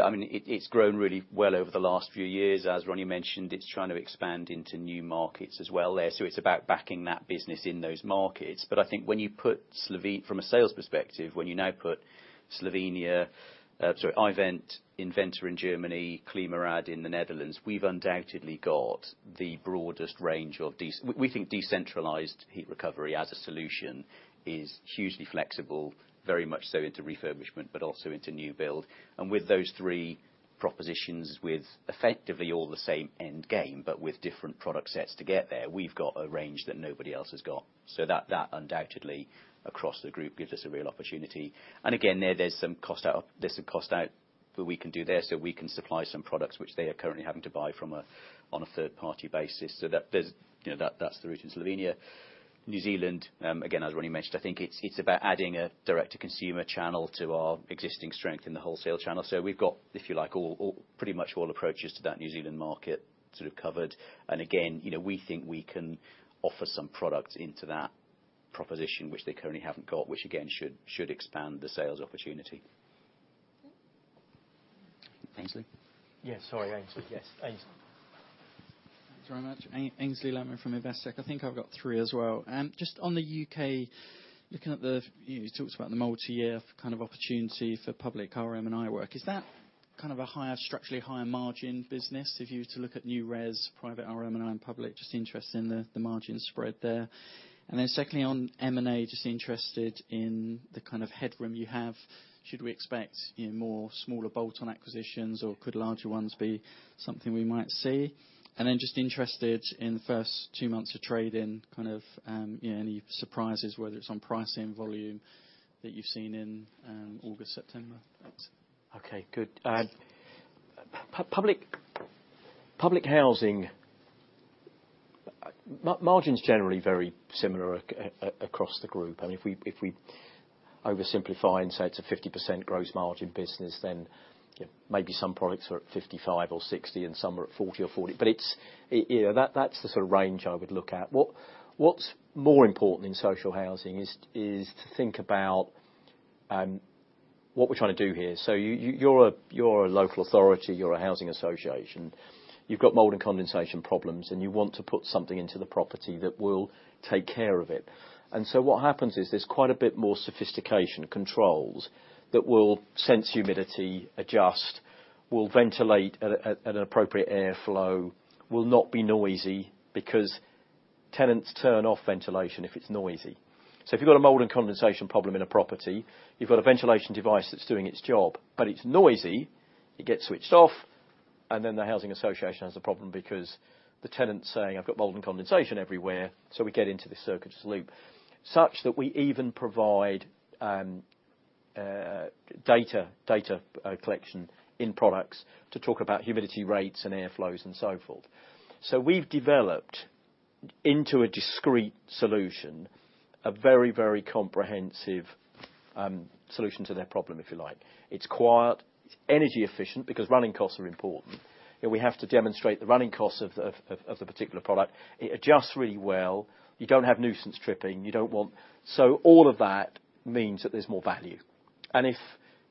I mean, it's grown really well over the last few years. As Ronnie mentioned, it's trying to expand into new markets as well there, so it's about backing that business in those markets. But I think when you put Slovenia from a sales perspective, when you now put Slovenia, sorry, i-Vent, inVENTer in Germany, ClimaRad in the Netherlands, we've undoubtedly got the broadest range of we, we think decentralized heat recovery as a solution is hugely flexible, very much so into refurbishment, but also into new build. And with those three propositions, with effectively all the same end game, but with different product sets to get there, we've got a range that nobody else has got. So that, that undoubtedly, across the group, gives us a real opportunity. And again, there, there's some cost out, there's some cost out that we can do there, so we can supply some products which they are currently having to buy from a, on a third-party basis. So that, there's, you know, that, that's the route in Slovenia. New Zealand, again, as Ronnie mentioned, I think it's about adding a direct-to-consumer channel to our existing strength in the wholesale channel. So we've got, if you like, all, all, pretty much all approaches to that New Zealand market sort of covered. And again, you know, we think we can offer some product into that proposition, which they currently haven't got, which again, should expand the sales opportunity. Aynsley? Yes, sorry, Aynsley. Thanks very much. Aynsley Lammin from Investec. I think I've got three as well. Just on the UK, looking at the, you talked about the multi-year kind of opportunity for public RM&I work. Is that kind of a higher, structurally higher margin business if you were to look at new res, private RM&I and public, just interested in the, the margin spread there? And then secondly, on M&A, just interested in the kind of headroom you have. Should we expect, you know, more smaller bolt-on acquisitions, or could larger ones be something we might see? And then just interested in the first two months of trade in, kind of, you know, any surprises, whether it's on pricing, volume, that you've seen in, August, September? Thanks. Okay, good. Public housing margins generally very similar across the group, and if we oversimplify and say it's a 50% gross margin business, then, you know, maybe some products are at 55% or 60%, and some are at 40% or 40 basis points. But that's the range I would look at. What's more important in social housing is to think about what we're trying to do here. So you're a local authority, you're a housing association. You've got mold and condensation problems, and you want to put something into the property that will take care of it. What happens is there's quite a bit more sophistication, controls that will sense humidity, adjust, will ventilate at an appropriate airflow, will not be noisy, because tenants turn off ventilation if it's noisy. So if you've got a mold and condensation problem in a property, you've got a ventilation device that's doing its job, but it's noisy, it gets switched off, and then the housing association has a problem because the tenant's saying, "I've got mold and condensation everywhere," so we get into this circuitous loop such that we even provide data collection in products to talk about humidity rates and airflows and so forth. So we've developed into a discrete solution, a very, very comprehensive solution to their problem, if you like. It's quiet, it's energy efficient, because running costs are important, and we have to demonstrate the running costs of the particular product. It adjusts really well. You don't have nuisance tripping, you don't want. All of that means that there's more value. And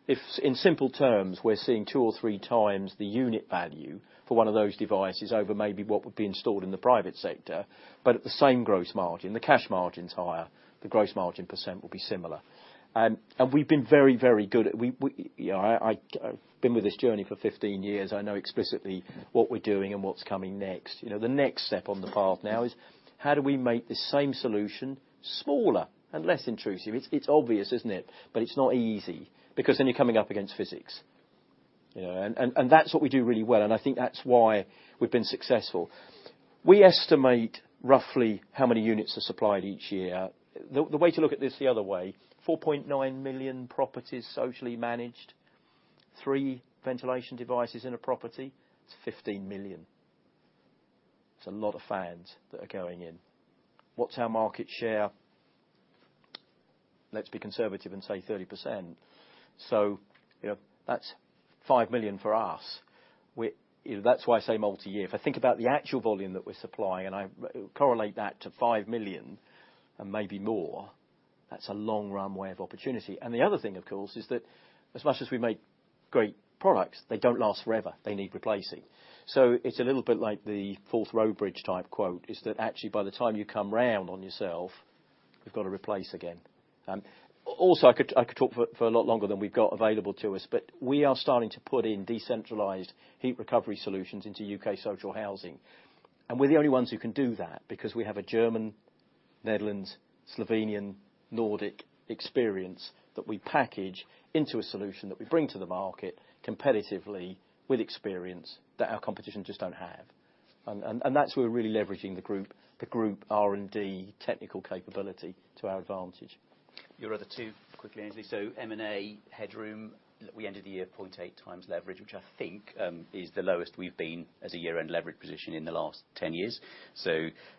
if in simple terms, we're seeing two or three times the unit value for one of those devices over maybe what would be installed in the private sector, but at the same gross margin, the cash margin's higher, the gross margin percent will be similar. And we've been very good, I've been with this journey for 15 years. I know explicitly what we're doing and what's coming next. You know, the next step on the path now is how do we make the same solution smaller and less intrusive? It's obvious, isn't it? But it's not easy, because then you're coming up against physics. You know, and, and, and that's what we do really well, and I think that's why we've been successful. We estimate roughly how many units are supplied each year. The way to look at this the other way, 4.9 million properties socially managed, three ventilation devices in a property, it's 15 million. It's a lot of fans that are going in. What's our market share? Let's be conservative and say 30%. So, you know, that's 5 million for us. You know, that's why I say multi-year. If I think about the actual volume that we're supplying, and I correlate that to 5 million, and maybe more, that's a long runway of opportunity. And the other thing, of course, is that as much as we make great products, they don't last forever. They need replacing. So it's a little bit like the Forth Road Bridge type quote, is that actually, by the time you come round on yourself, you've got to replace again. Also, I could talk for a lot longer than we've got available to us, but we are starting to put in decentralized heat recovery solutions into U.K. social housing. And we're the only ones who can do that, because we have a German, Netherlands, Slovenian, Nordic experience that we package into a solution that we bring to the market competitively with experience that our competitors just don't have. And that's where we're really leveraging the group R&D technical capability to our advantage. Your other two, quickly, Ainsley. So M&A headroom, we ended the year at 0.8x leverage, which I think is the lowest we've been as a year-end leverage position in the last 10 years. So,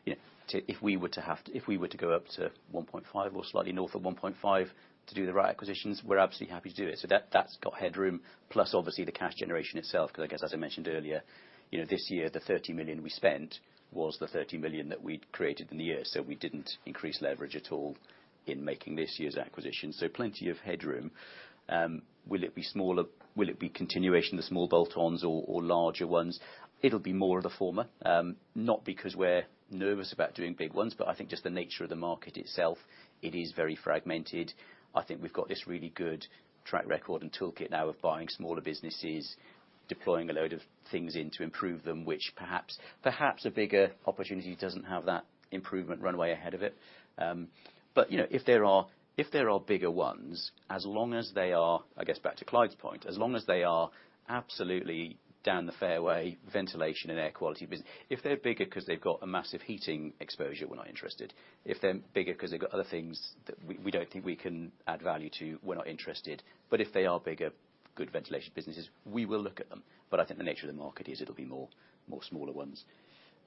you know, to, if we were to have to, if we were to go up to 1.5 or slightly north of 1.5 to do the right acquisitions, we're absolutely happy to do it. So that, that's got headroom, plus obviously the cash generation itself, 'cause I guess, as I mentioned earlier, you know, this year, the 30 million we spent was the 30 million that we'd created in the year, so we didn't increase leverage at all in making this year's acquisition. So plenty of headroom. Will it be smaller? Will it be continuation of the small bolt-ons or, or larger ones? It'll be more of the former, not because we're nervous about doing big ones, but I think just the nature of the market itself, it is very fragmented. I think we've got this really good track record and toolkit now of buying smaller businesses, deploying a load of things in to improve them, which perhaps, perhaps a bigger opportunity doesn't have that improvement runway ahead of it. But, you know, if there are, if there are bigger ones, as long as they are, I guess back to Clyde's point, as long as they are absolutely down the fairway, ventilation and air quality business. If they're bigger 'cause they've got a massive heating exposure, we're not interested. If they're bigger 'cause they've got other things that we, we don't think we can add value to, we're not interested. If they are bigger, good ventilation businesses, we will look at them, but I think the nature of the market is it'll be more, more smaller ones.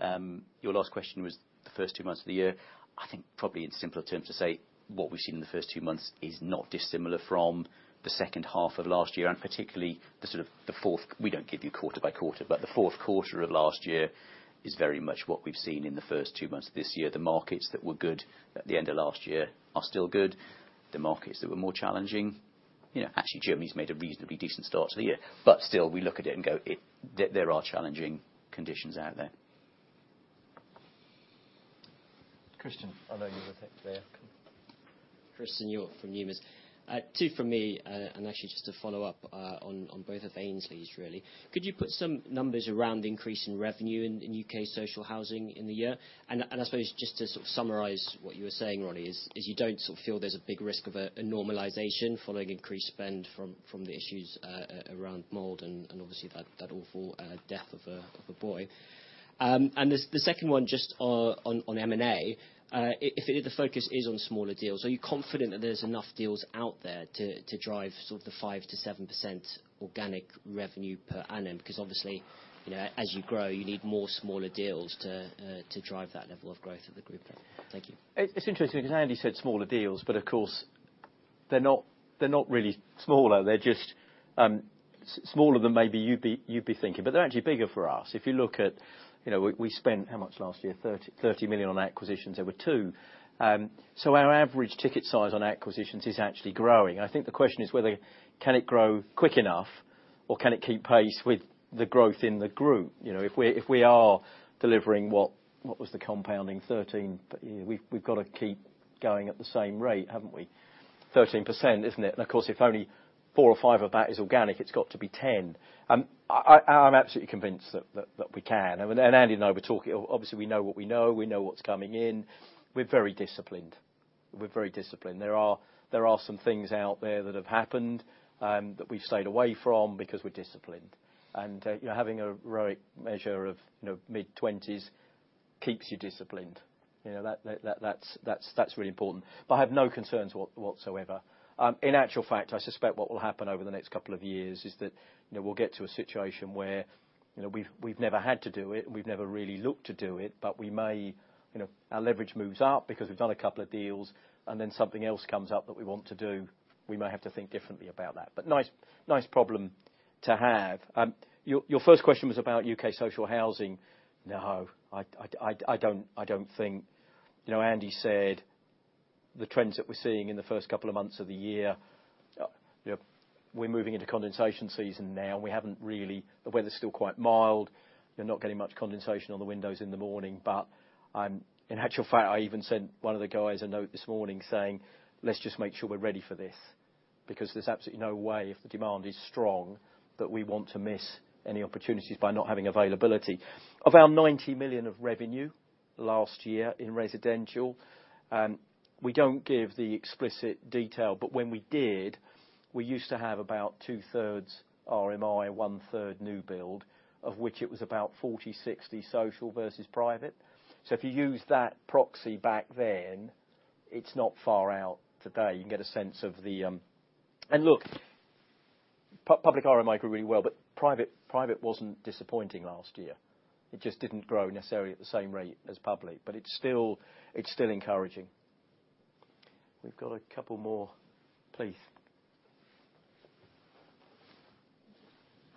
Your last question was the first two months of the year. I think probably in simpler terms to say, what we've seen in the first two months is not dissimilar from the second half of last year, and particularly, the sort of the fourth- we don't give you quarter by quarter, but the fourth quarter of last year is very much what we've seen in the first two months of this year. The markets that were good at the end of last year are still good. The markets that were more challenging, you know, actually, Germany's made a reasonably decent start to the year. Still, we look at it and go, it- there are challenging conditions out there. Christian, I know you were there. Christen Hjorth from Numis. Two from me, and actually just to follow up on both of Ainsley's, really. Could you put some numbers around the increase in revenue in UK social housing in the year? And I suppose, just to sort of summarize what you were saying, Ronnie, is you don't sort of feel there's a big risk of a normalization following increased spend from the issues around mold and obviously that awful death of a boy. And the second one, just on M&A. If the focus is on smaller deals, are you confident that there's enough deals out there to drive sort of the 5% to 7% organic revenue per annum? Because obviously, you know, as you grow, you need more smaller deals to drive that level of growth of the group. Thank you. It's interesting, because Andy said smaller deals, but of course, they're not really smaller, they're just smaller than maybe you'd be thinking, but they're actually bigger for us. If you look at, you know, we spent how much last year? 30 million on acquisitions. There were two. Our average ticket size on acquisitions is actually growing. I think the question is whether, can it grow quick enough, or can it keep pace with the growth in the group? You know, if we are delivering, what was the compounding? Thirteen. We've got to keep going at the same rate, haven't we? 13%, isn't it? Of course, if only four or five of that is organic, it's got to be ten. I, I'm absolutely convinced that we can. Andy and I were talking. Obviously, we know what we know. We know what's coming in. We're very disciplined. We're very disciplined. There are some things out there that have happened that we've stayed away from because we're disciplined. You know, having a ROIC measure of, you know, mid-20s keeps you disciplined. You know, that's really important. But I have no concerns whatsoever. In actual fact, I suspect what will happen over the next couple of years is that, you know, we'll get to a situation where, you know, we've never had to do it, we've never really looked to do it, but we may, you know, our leverage moves up because we've done a couple of deals, and then something else comes up that we want to do, we may have to think differently about that. But nice, nice problem to have. Your first question was about U.K. social housing. No, I don't think, Andy said the trends that we're seeing in the first couple of months of the year, you know, we're moving into condensation season now, and the weather's still quite mild. We're not getting much condensation on the windows in the morning, but in actual fact, I even sent one of the guys a note this morning saying, "Let's just make sure we're ready for this," because there's absolutely no way, if the demand is strong, that we want to miss any opportunities by not having availability. Of our 90 million of revenue last year in residential, we don't give the explicit detail, but when we did, we used to have about 2/3 RMI, 1/3 new build, of which it was about 40 to 60 social versus private. So if you use that proxy back then, it's not far out today. You can get a sense of the public RMI grew really well, but private, private wasn't disappointing last year. It just didn't grow necessarily at the same rate as public, but it's still encouraging. We've got a couple more, please.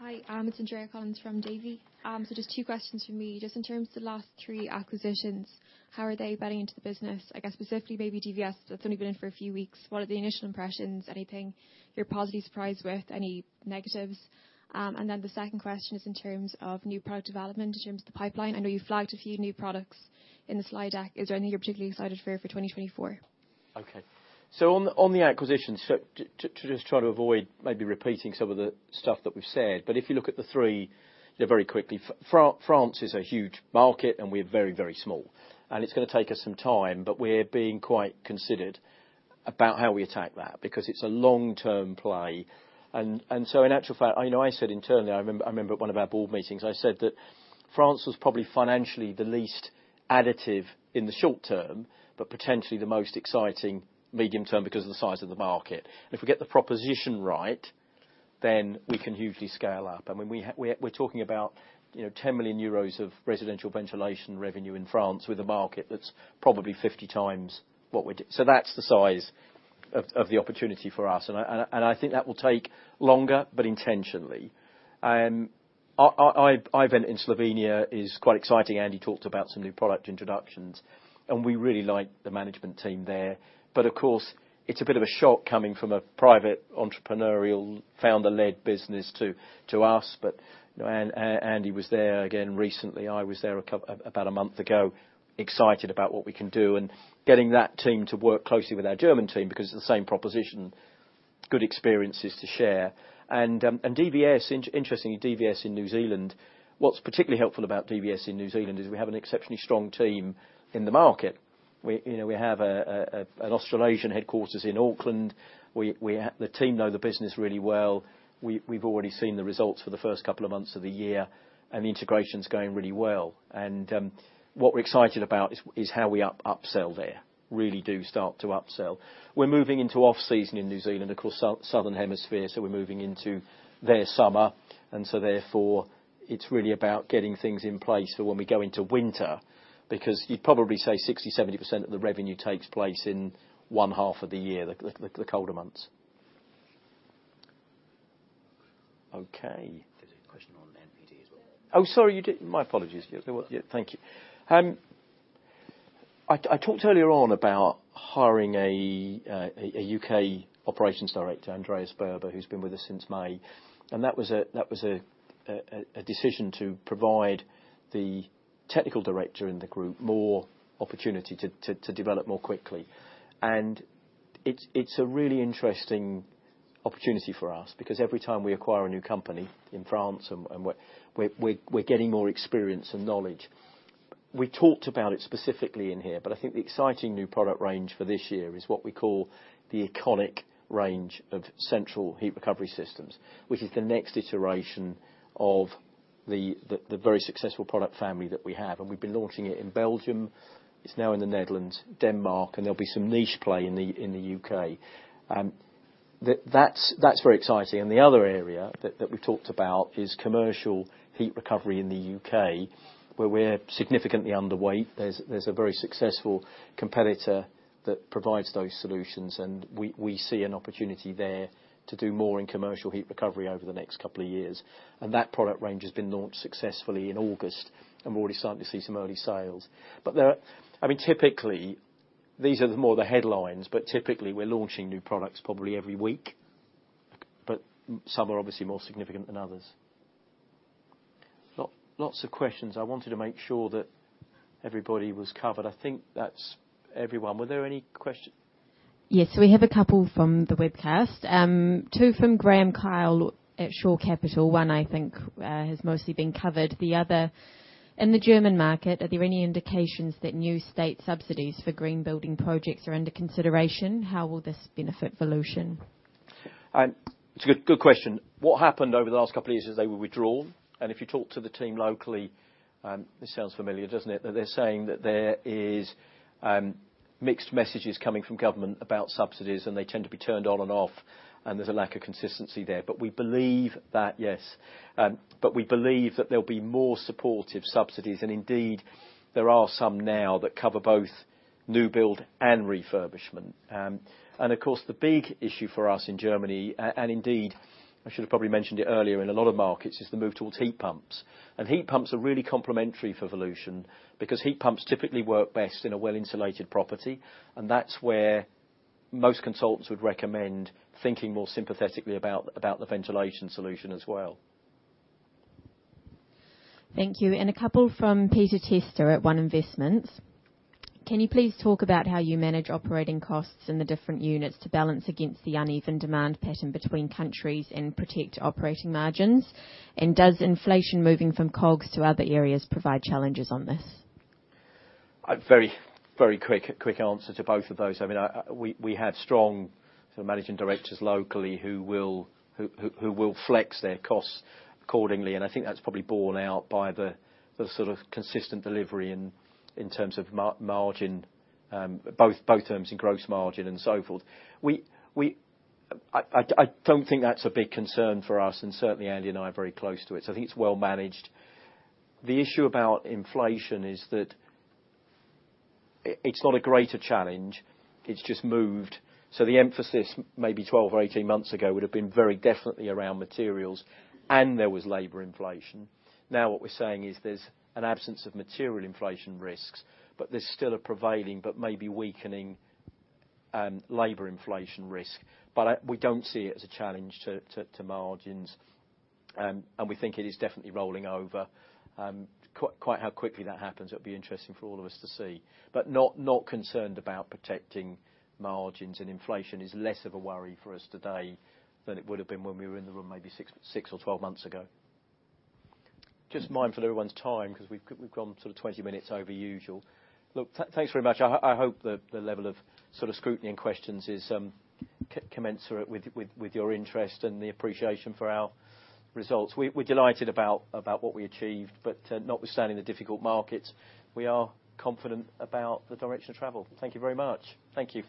Hi, it's Andrea Collins from Davy. So just two questions from me. Just in terms of the last three acquisitions, how are they buying into the business? I guess specifically, maybe DVS, that's only been in for a few weeks. What are the initial impressions? Anything you're positively surprised with? Any negatives? And then the second question is in terms of new product development, in terms of the pipeline. I know you flagged a few new products in the slide deck. Is there any you're particularly excited for 2024? Okay. So on the acquisitions, so to just try to avoid maybe repeating some of the stuff that we've said, but if you look at the three, you know, very quickly, France is a huge market, and we're very, very small. And it's going to take us some time, but we're being quite considered about how we attack that, because it's a long-term play. And so in actual fact, you know, I said internally, I remember, I remember at one of our board meetings, I said that France was probably financially the least additive in the short term, but potentially the most exciting medium term because of the size of the market. And if we get the proposition right, then we can hugely scale up. I mean, we're talking about, you know, 10 million euros of residential ventilation revenue in France with a market that's probably 50 times what we're doing. So that's the size of the opportunity for us, and I think that will take longer, but intentionally. I-Vent in Slovenia is quite exciting. Andy talked about some new product introductions, and we really like the management team there. But of course, it's a bit of a shock coming from a private, entrepreneurial, founder-led business to us. But, you know, and Andy was there again recently. I was there about a month ago, excited about what we can do, and getting that team to work closely with our German team, because it's the same proposition, good experiences to share. DVS, interestingly, DVS in New Zealand, what's particularly helpful about DVS in New Zealand is we have an exceptionally strong team in the market. You know, we have an Australasian headquarters in Auckland. The team know the business really well. We've already seen the results for the first couple of months of the year, and the integration's going really well. You know, what we're excited about is how we upsell there, really do start to upsell. We're moving into off-season in New Zealand, of course, southern hemisphere, so we're moving into their summer. Therefore, it's really about getting things in place for when we go into winter, because you'd probably say 60% to 70% of the revenue takes place in one half of the year, the colder months. Okay. There's a question on NPD as well. My apologies. Yeah, thank you. I talked earlier on about hiring a UK operations director, Andreas Boeber, who's been with us since May, and that was a decision to provide the technical director in the group more opportunity to develop more quickly. And it's a really interesting opportunity for us because every time we acquire a new company in France and we're getting more experience and knowledge. We talked about it specifically in here, but I think the exciting new product range for this year is what we call the Iconic range of central heat recovery systems, which is the next iteration of the very successful product family that we have, and we've been launching it in Belgium. It's now in the Netherlands, Denmark, and there'll be some niche play in the U.K. That's very exciting. And the other area that we talked about is commercial heat recovery in the U.K., where we're significantly underweight. There's a very successful competitor that provides those solutions, and we see an opportunity there to do more in commercial heat recovery over the next couple of years. And that product range has been launched successfully in August, and we're already starting to see some early sales. But these are the more the headlines, but typically, we're launching new products probably every week, but some are obviously more significant than others. Lots of questions. I wanted to make sure that everybody was covered. I think that's everyone. Were there any questions? Yes, we have a couple from the webcast. Two from Graeme Kyle at Shore Capital. One, I think, has mostly been covered. The other, in the German market, are there any indications that new state subsidies for green building projects are under consideration? How will this benefit Volution? It's a good, good question. What happened over the last couple of years is they were withdrawn, and if you talk to the team locally, this sounds familiar, doesn't it? That they're saying that there is, mixed messages coming from government about subsidies, and they tend to be turned on and off, and there's a lack of consistency there. We believe that, yes, we believe that there'll be more supportive subsidies, and indeed, there are some now that cover both new build and refurbishment. Of course, the big issue for us in Germany, and indeed, I should have probably mentioned it earlier, in a lot of markets, is the move towards heat pumps. Heat pumps are really complementary for Volution, because heat pumps typically work best in a well-insulated property, and that's where most consultants would recommend thinking more sympathetically about the ventilation solution as well. Thank you. And a couple from Peter Tester at One Investments. Can you please talk about how you manage operating costs in the different units to balance against the uneven demand pattern between countries and protect operating margins? And does inflation moving from COGS to other areas provide challenges on this? A very quick answer to both of those. I mean, I, we, we have strong sort of managing directors locally who will flex their costs accordingly, and I think that's probably borne out by the sort of consistent delivery in terms of margin, both terms in gross margin and so forth. We, I don't think that's a big concern for us, and certainly Andy and I are very close to it, so I think it's well managed. The issue about inflation is that it's not a greater challenge, it's just moved. So the emphasis maybe 12 or 18 months ago would have been very definitely around materials, and there was labor inflation. Now, what we're saying is there's an absence of material inflation risks, but there's still a prevailing, but maybe weakening, labor inflation risk. But we don't see it as a challenge to margins, and we think it is definitely rolling over. Quite how quickly that happens, it'll be interesting for all of us to see. But not concerned about protecting margins, and inflation is less of a worry for us today than it would have been when we were in the room maybe six, six or 12 months ago. Just mindful of everyone's time, 'cause we've gone sort of 20 minutes over usual. Look, thanks very much. I hope that the level of sort of scrutiny and questions is commensurate with your interest and the appreciation for our results. We're delighted about what we achieved, but notwithstanding the difficult markets, we are confident about the direction of travel. Thank you very much. Thank you.